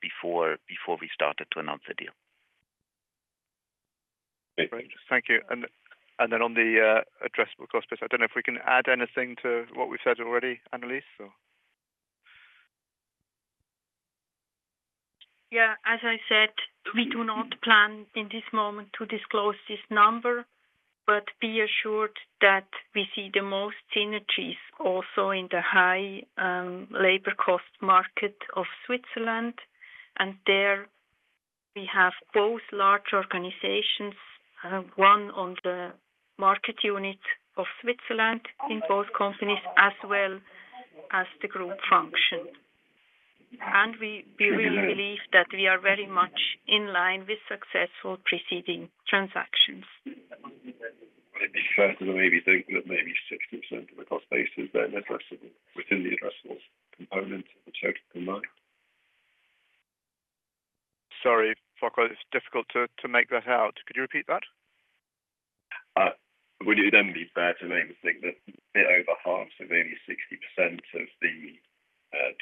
before we started to announce the deal. Great. Thank you. On the addressable cost base, I do not know if we can add anything to what we have said already, Analise or? Yeah. As I said, we do not plan in this moment to disclose this number. Be assured that we see the most synergies also in the high labor cost market of Switzerland. There we have both large organizations, one on the market unit of Switzerland in both companies as well as the group function. We really believe that we are very much in line with successful preceding transactions. Maybe further than maybe 60% of the cost base is then addressable within the addressable component of the total combined. Sorry, Farquhar, it is difficult to make that out. Could you repeat that? Would it then be fair to make the statement that a bit over half of only 60% of the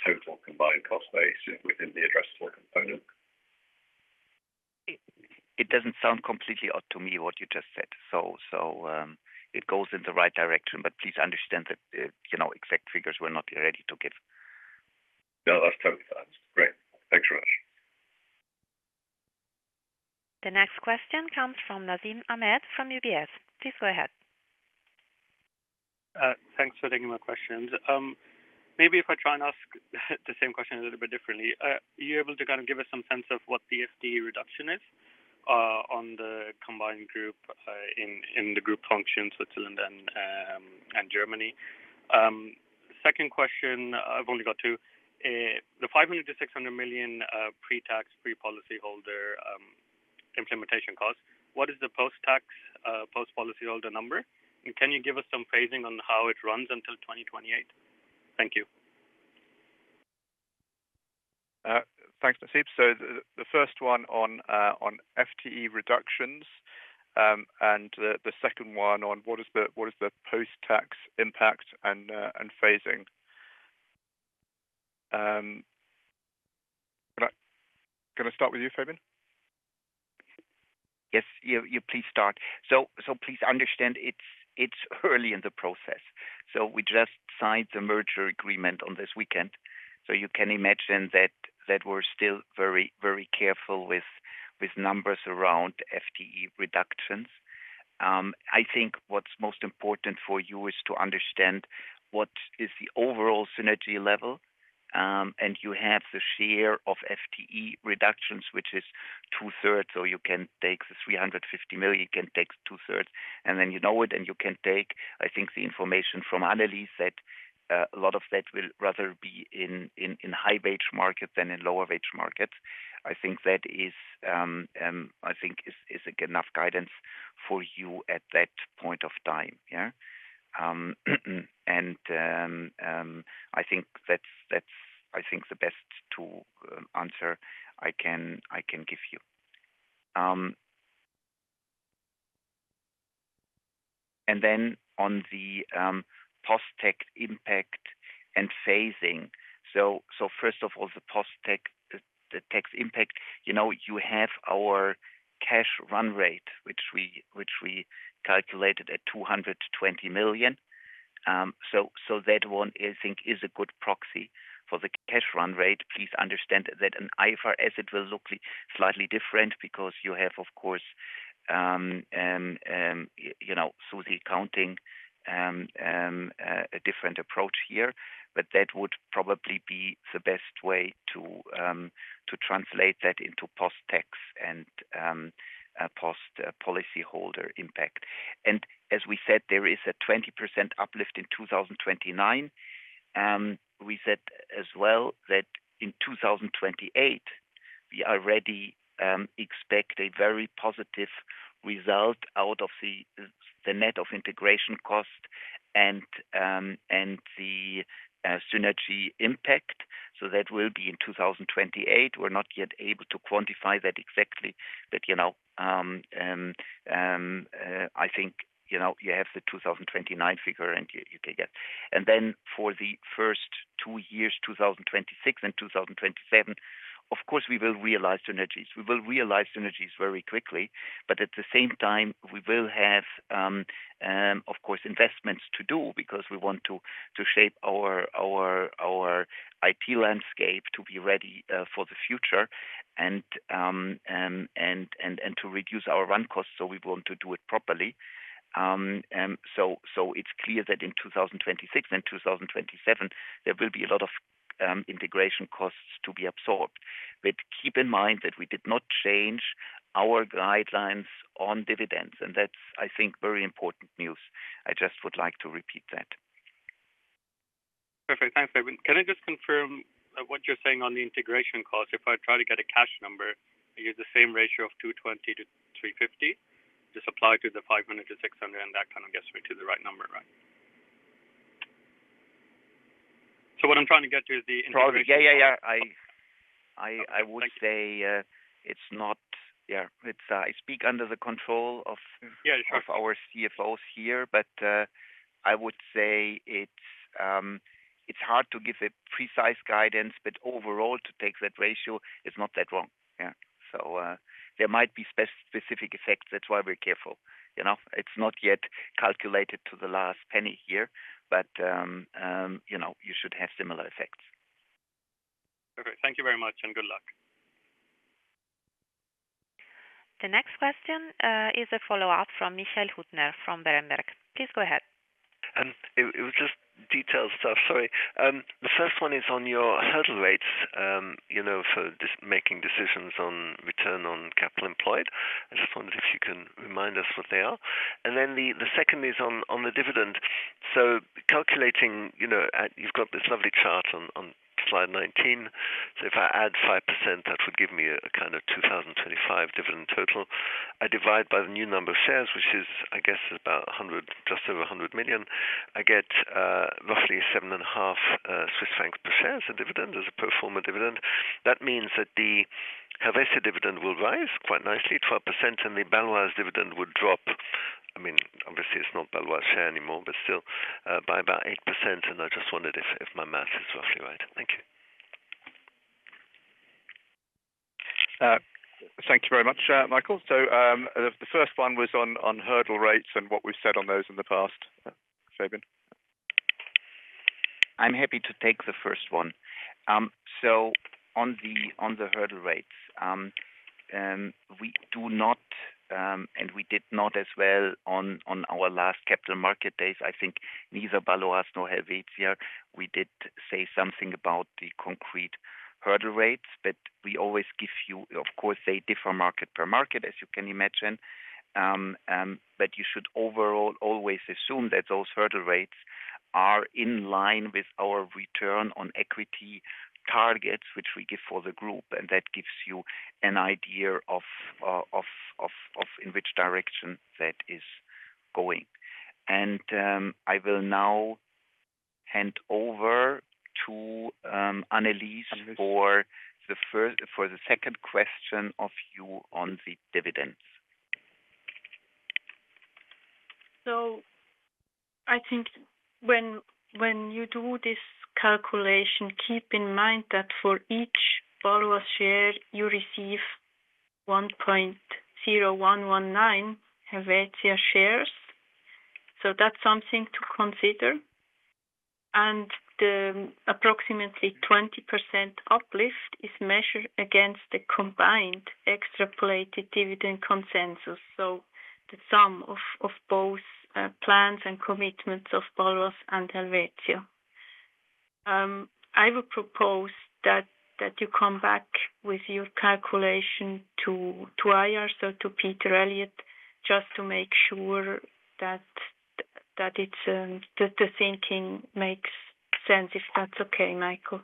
total combined cost base is within the addressable component? It does not sound completely odd to me what you just said. It goes in the right direction. Please understand that exact figures we are not ready to give. No, that is totally fine. Great. Thanks very much. The next question comes from Nasib Ahmed from UBS. Please go ahead. Thanks for taking my questions. Maybe if I try and ask the same question a little bit differently, are you able to kind of give us some sense of what the FTE reduction is on the combined group in the group function, Switzerland and Germany? Second question, I have only got two. The 500-600 million pre-tax, pre-policy holder implementation cost, what is the post-tax, post-policy holder number? Can you give us some phasing on how it runs until 2028? Thank you. Thanks, Nasib. The first one on FTE reductions and the second one on what is the post-tax impact and phasing. Can I start with you, Fabian? Yes. You please start. Please understand it's early in the process. We just signed the merger agreement this weekend. You can imagine that we're still very, very careful with numbers around FTE reductions. I think what's most important for you is to understand what is the overall synergy level. You have the share of FTE reductions, which is two-thirds. You can take the 350 million, you can take two-thirds. Then you know it, and you can take, I think, the information from Annelis that a lot of that will rather be in high-wage markets than in lower-wage markets. I think that is, I think, is enough guidance for you at that point of time. Yeah. I think that's, I think, the best answer I can give you. On the post-tax impact and phasing, first of all, the post-tax impact, you have our cash run rate, which we calculated at 220 million. That one, I think, is a good proxy for the cash run rate. Please understand that in IFRS, it will look slightly different because you have, of course, through the accounting, a different approach here. That would probably be the best way to translate that into post-tax and post-policyholder impact. As we said, there is a 20% uplift in 2029. We said as well that in 2028, we already expect a very positive result out of the net of integration cost and the synergy impact. That will be in 2028. We're not yet able to quantify that exactly. I think you have the 2029 figure, and you can get. For the first two years, 2026 and 2027, of course, we will realize synergies. We will realize synergies very quickly. At the same time, we will have, of course, investments to do because we want to shape our IT landscape to be ready for the future and to reduce our run costs. We want to do it properly. It is clear that in 2026 and 2027, there will be a lot of integration costs to be absorbed. Keep in mind that we did not change our guidelines on dividends. That is, I think, very important news. I just would like to repeat that. Perfect. Thanks, Fabian. Can I just confirm what you're saying on the integration cost? If I try to get a cash number, you have the same ratio of 220 to 350 to supply to the 500-600, and that kind of gets me to the right number, right? What I'm trying to get to is the integration. Yeah, yeah, yeah. I would say it's not, yeah. I speak under the control of our CFOs here. I would say it's hard to give a precise guidance. Overall, to take that ratio, it's not that wrong. There might be specific effects. That's why we're careful. It's not yet calculated to the last penny here. You should have similar effects. Perfect. Thank you very much, and good luck. The next question is a follow-up from Michael Huttner from Berenberg. Please go ahead. It was just detailed stuff. Sorry. The first one is on your hurdle rates for making decisions on return on capital employed. I just wondered if you can remind us what they are. The second is on the dividend. Calculating, you've got this lovely chart on slide 19. If I add 5%, that would give me a kind of 2025 dividend total. I divide by the new number of shares, which is, I guess, just over 100 million. I get roughly 7.5 Swiss francs per share as a dividend, as a pro forma dividend. That means that the Helvetia dividend will rise quite nicely, 12%. The Bâloise dividend would drop. I mean, obviously, it's not Bâloise share anymore, but still by about 8%. I just wondered if my math is roughly right. Thank you. Thank you very much, Michael. The first one was on hurdle rates and what we've said on those in the past, Fabian. I'm happy to take the first one. On the hurdle rates, we do not, and we did not as well on our last capital market days, I think neither Bâloise nor Helvetia. We did say something about the concrete hurdle rates. We always give you, of course, they differ market per market, as you can imagine. You should overall always assume that those hurdle rates are in line with our return on equity targets, which we give for the group. That gives you an idea of in which direction that is going. I will now hand over to Annelis for the second question of you on the dividends. I think when you do this calculation, keep in mind that for each Bâloise share, you receive 1.0119 Helvetia shares. That's something to consider. The approximately 20% uplift is measured against the combined extrapolated dividend consensus, so the sum of both plans and commitments of Bâloise and Helvetia. I would propose that you come back with your calculation to IR, so to Peter Elliott, just to make sure that the thinking makes sense, if that's okay, Michael.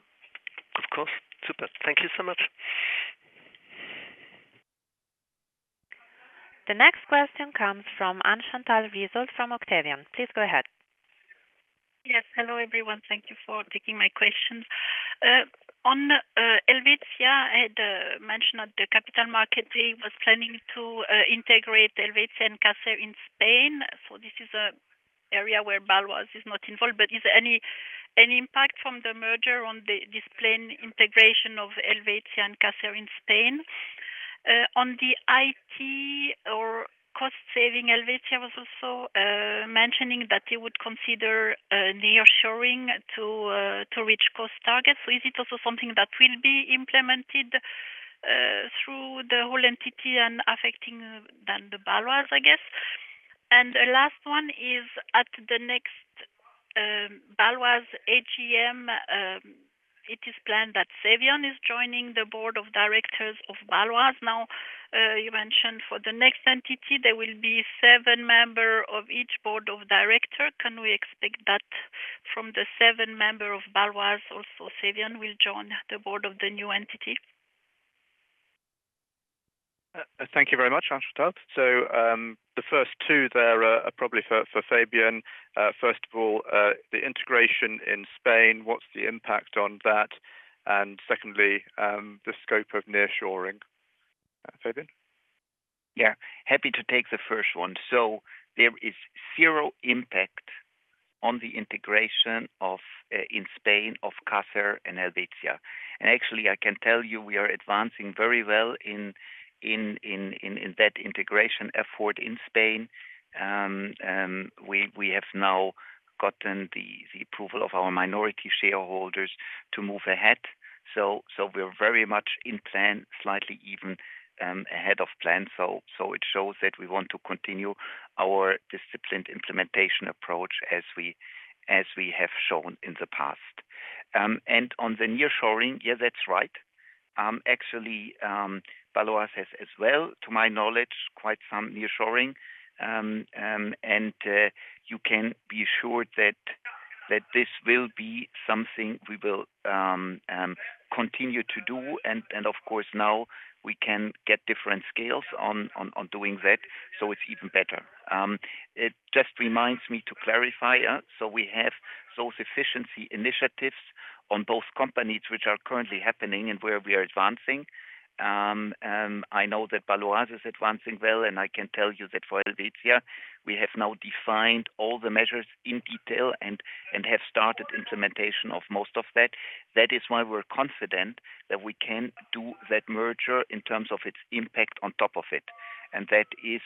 Of course. Super. Thank you so much. The next question comes from Anne-Chantal Risold from Octavian. Please go ahead. Yes. Hello, everyone. Thank you for taking my questions. On Helvetia, I had mentioned that the capital market day was planning to integrate Helvetia and Caser in Spain. This is an area where Bâloise is not involved. Is there any impact from the merger on this planned integration of Helvetia and Caser in Spain? On the IT or cost-saving, Helvetia was also mentioning that they would consider near-shoring to reach cost targets. Is it also something that will be implemented through the whole entity and affecting then the Bâloise, I guess? The last one is at the next Bâloise AGM. It is planned that Cevian is joining the board of directors of Bâloise. You mentioned for the next entity, there will be seven members of each board of director. Can we expect that from the seven members of Bâloise? Also, Cevian will join the board of the new entity. Thank you very much, Anne-Chantal. The first two, they're probably for Fabian. First of all, the integration in Spain, what's the impact on that? Secondly, the scope of near-shoring. Fabian? Yeah. Happy to take the first one. There is zero impact on the integration in Spain of Caser and Helvetia. Actually, I can tell you we are advancing very well in that integration effort in Spain. We have now gotten the approval of our minority shareholders to move ahead. We are very much in plan, slightly even ahead of plan. It shows that we want to continue our disciplined implementation approach as we have shown in the past. On the near-shoring, yeah, that's right. Actually, Bâloise has as well, to my knowledge, quite some near-shoring. You can be sure that this will be something we will continue to do. Of course, now we can get different scales on doing that. It is even better. It just reminds me to clarify. We have those efficiency initiatives on both companies, which are currently happening and where we are advancing. I know that Bâloise is advancing well. I can tell you that for Helvetia, we have now defined all the measures in detail and have started implementation of most of that. That is why we're confident that we can do that merger in terms of its impact on top of it. That is,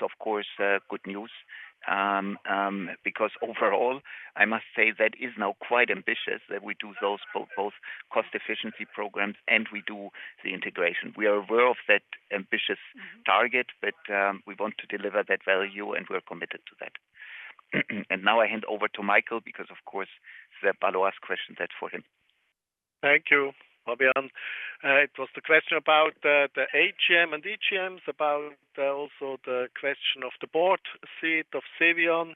of course, good news. Overall, I must say that is now quite ambitious that we do those both cost-efficiency programs and we do the integration. We are aware of that ambitious target, but we want to deliver that value, and we're committed to that. I hand over to Michiel because, of course, the Bâloise question, that's for him. Thank you, Fabian. It was the question about the AGM and EGMs, about also the question of the board seat of Cevian.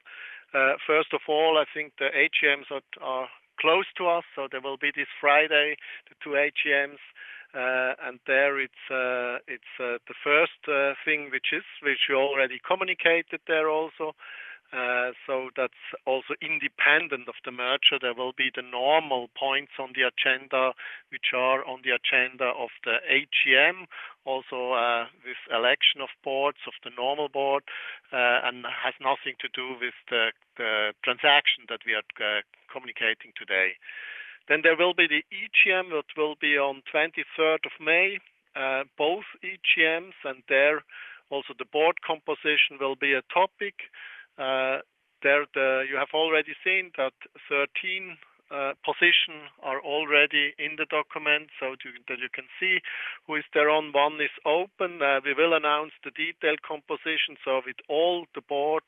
First of all, I think the AGMs are close to us. There will be this Friday, the two AGMs. It is the first thing, which you already communicated there also. That is also independent of the merger. There will be the normal points on the agenda, which are on the agenda of the AGM, also with election of boards of the normal board, and has nothing to do with the transaction that we are communicating today. There will be the EGM that will be on 23rd of May, both EGMs. There also, the board composition will be a topic. You have already seen that 13 positions are already in the document, so that you can see who is there on. One is open. We will announce the detailed composition, with all the board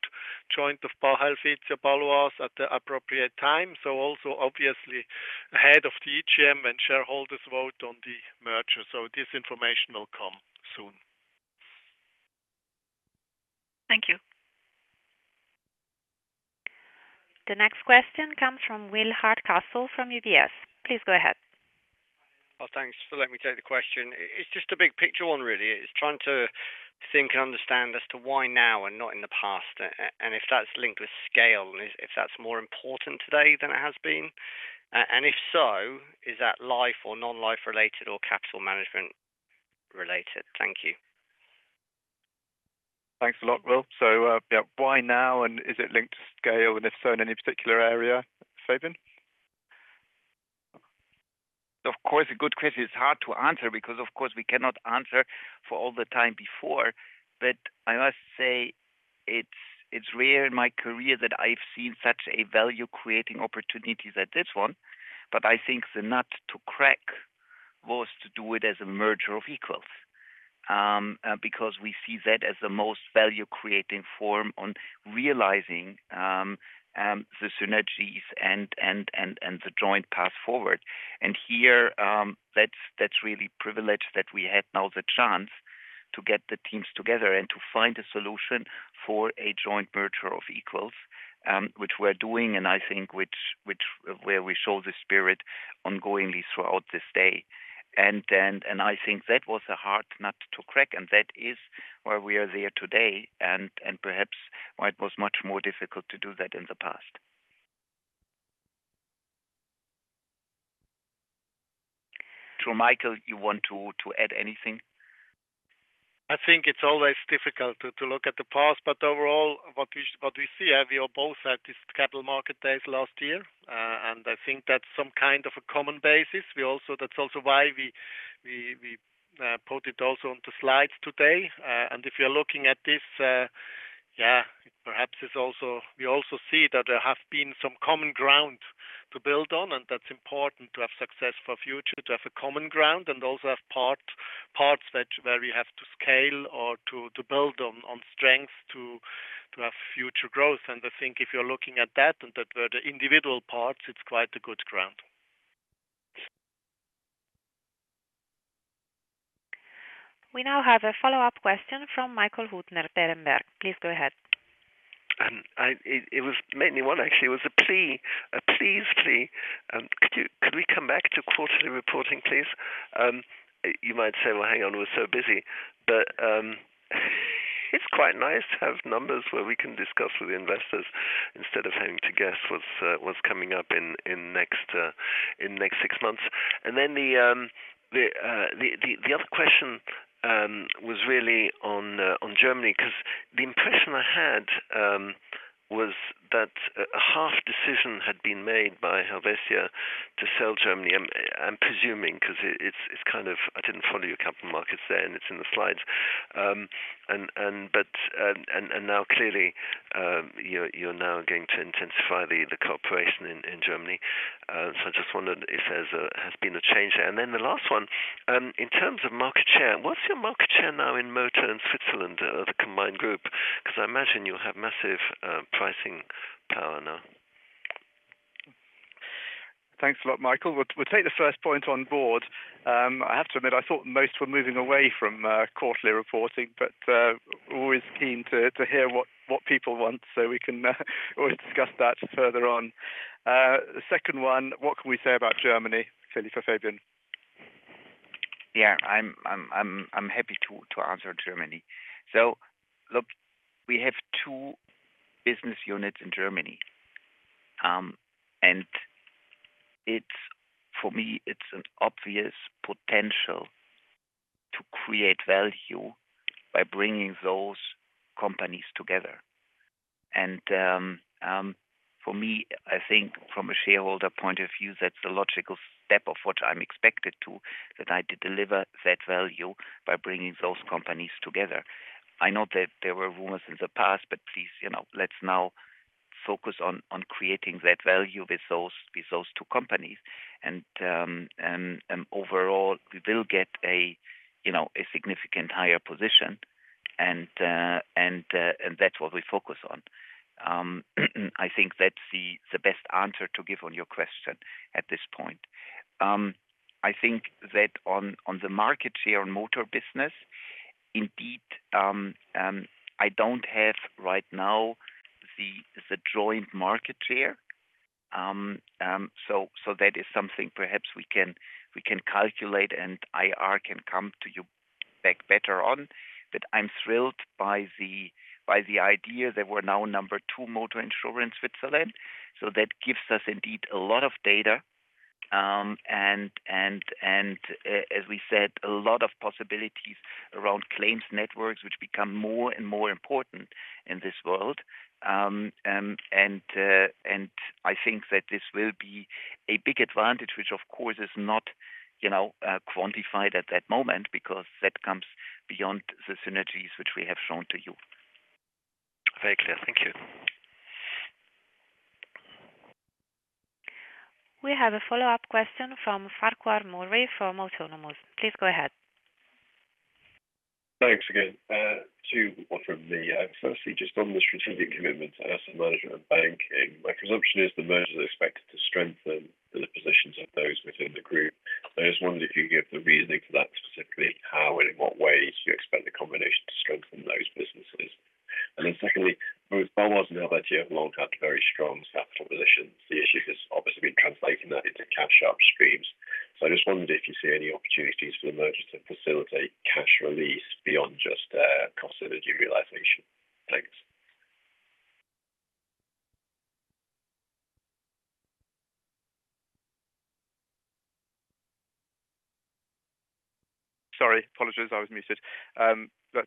joined of Bâloise at the appropriate time. Also, obviously, ahead of the EGM when shareholders vote on the merger. This information will come soon. Thank you. The next question comes from Will HardCastle from UBS. Please go ahead. Thanks for letting me take the question. It's just a big picture one, really. It's trying to think and understand as to why now and not in the past. If that's linked with scale, and if that's more important today than it has been. If so, is that life or non-life related or capital management related? Thank you. Thanks a lot, Will. Why now, and is it linked to scale, and if so, in any particular area, Fabian? Of course, a good question. It's hard to answer because, of course, we cannot answer for all the time before. I must say it's rare in my career that I've seen such a value-creating opportunity as this one. I think the nut to crack was to do it as a merger of equals because we see that as the most value-creating form on realizing the synergies and the joint path forward. Here, that's really privileged that we had now the chance to get the teams together and to find a solution for a joint merger of equals, which we're doing, and I think where we show the spirit ongoingly throughout this day. I think that was a hard nut to crack. That is why we are there today, and perhaps why it was much more difficult to do that in the past. Michiel, you want to add anything? I think it's always difficult to look at the past. Overall, what we see, we are both at these capital market days last year. I think that's some kind of a common basis. That's also why we put it also on the slides today. If you're looking at this, perhaps we also see that there have been some common ground to build on. That's important to have success for future, to have a common ground, and also have parts where we have to scale or to build on strengths to have future growth. I think if you're looking at that and that were the individual parts, it's quite a good ground. We now have a follow-up question from Michael Huttner, Berenberg. Please go ahead. It was mainly one, actually. It was a please, please. Could we come back to quarterly reporting, please? You might say, "Well, hang on, we're so busy." It is quite nice to have numbers where we can discuss with investors instead of having to guess what is coming up in the next six months. The other question was really on Germany because the impression I had was that a half-decision had been made by Helvetia to sell Germany. I am presuming because I did not follow your capital markets there, and it is in the slides. Now, clearly, you are now going to intensify the cooperation in Germany. I just wondered if there has been a change there. The last one, in terms of market share, what is your market share now in Motor and Switzerland of the combined group? I imagine you will have massive pricing power now. Thanks a lot, Michael. We will take the first point on board. I have to admit, I thought most were moving away from quarterly reporting, but we're always keen to hear what people want, so we can always discuss that further on. Second one, what can we say about Germany, clearly, for Fabian? Yeah. I'm happy to answer Germany. Look, we have two business units in Germany. For me, it's an obvious potential to create value by bringing those companies together. For me, I think from a shareholder point of view, that's the logical step of what I'm expected to, that I deliver that value by bringing those companies together. I know that there were rumors in the past, but please, let's now focus on creating that value with those two companies. Overall, we will get a significant higher position. That's what we focus on. I think that's the best answer to give on your question at this point. I think that on the market share in Motor business, indeed, I don't have right now the joint market share. That is something perhaps we can calculate, and IR can come to you back better on. I'm thrilled by the idea that we're now number two Motor in Switzerland. That gives us indeed a lot of data. As we said, a lot of possibilities around claims networks, which become more and more important in this world. I think that this will be a big advantage, which, of course, is not quantified at that moment because that comes beyond the synergies which we have shown to you. Very clear. Thank you. We have a follow-up question from Farquhar Murray from Autonomous. Please go ahead. Thanks again. Two more from me. Firstly, just on the strategic commitments as a manager of banking, my presumption is the merger is expected to strengthen the positions of those within the group. I just wondered if you could give the reasoning for that, specifically how and in what ways you expect the combination to strengthen those businesses. Secondly, both Bâloise and Helvetia have long had very strong capital positions. The issue has obviously been translating that into cash upstreams. I just wondered if you see any opportunities for the merger to facilitate cash release beyond just cost synergy realization. Thanks. Sorry. Apologies. I was muted.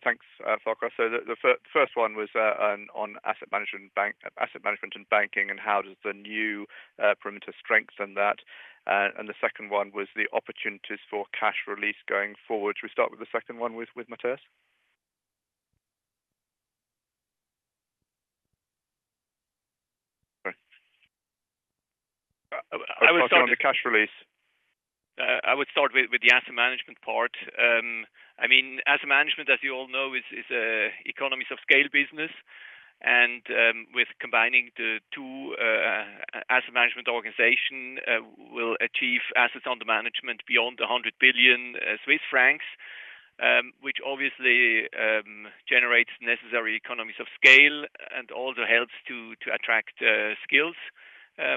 Thanks, Farquhar. The first one was on asset management and banking and how does the new perimeter strengthen that. The second one was the opportunities for cash release going forward. Shall we start with the second one with Matthias? Sorry. I was talking to cash release. I would start with the asset management part. I mean, asset management, as you all know, is economies of scale business. With combining the two asset management organizations, we will achieve assets under management beyond 100 billion Swiss francs, which obviously generates necessary economies of scale and also helps to attract skills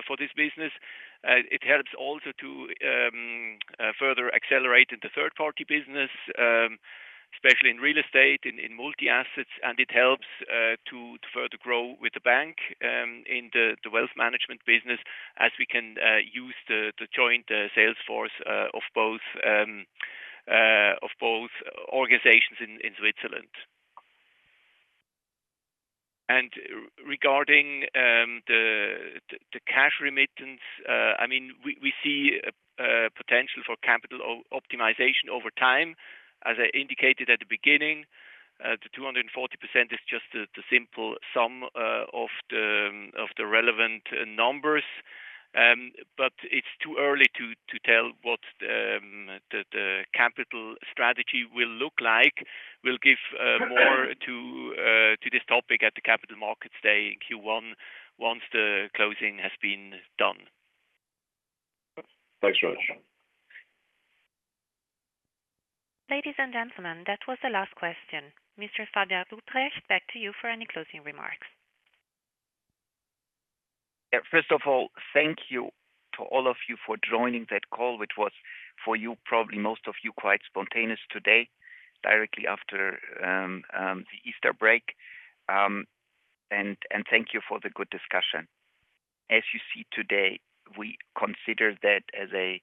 for this business. It helps also to further accelerate in the third-party business, especially in real estate, in multi-assets. It helps to further grow with the bank in the wealth management business as we can use the joint sales force of both organizations in Switzerland. Regarding the cash remittance, I mean, we see potential for capital optimization over time. As I indicated at the beginning, the 240% is just the simple sum of the relevant numbers. It is too early to tell what the capital strategy will look like. We'll give more to this topic at the Capital Markets Day in Q1 once the closing has been done. Thanks very much. Ladies and gentlemen, that was the last question. Mr. Fabian Rupprecht, back to you for any closing remarks. Yeah. First of all, thank you to all of you for joining that call, which was for you, probably most of you, quite spontaneous today directly after the Easter break. Thank you for the good discussion. As you see today, we consider that as a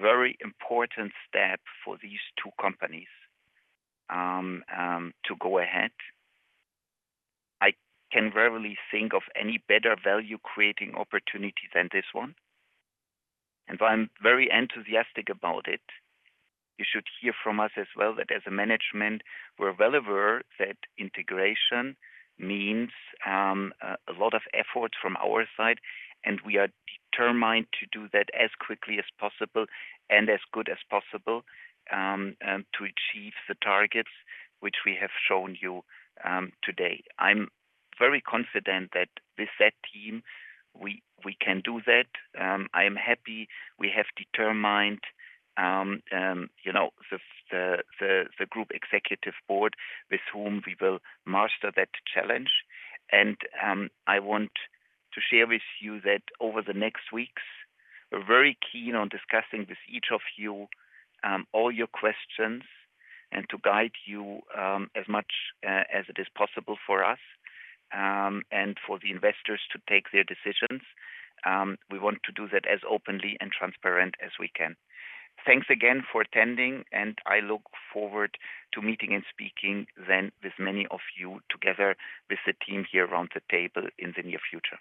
very important step for these two companies to go ahead. I can rarely think of any better value-creating opportunity than this one. I'm very enthusiastic about it. You should hear from us as well that as a management, we're well aware that integration means a lot of effort from our side. We are determined to do that as quickly as possible and as good as possible to achieve the targets which we have shown you today. I'm very confident that with that team, we can do that. I am happy we have determined the Group Executive Board with whom we will master that challenge. I want to share with you that over the next weeks, we're very keen on discussing with each of you all your questions and to guide you as much as it is possible for us and for the investors to take their decisions. We want to do that as openly and transparent as we can. Thanks again for attending. I look forward to meeting and speaking then with many of you together with the team here around the table in the near future.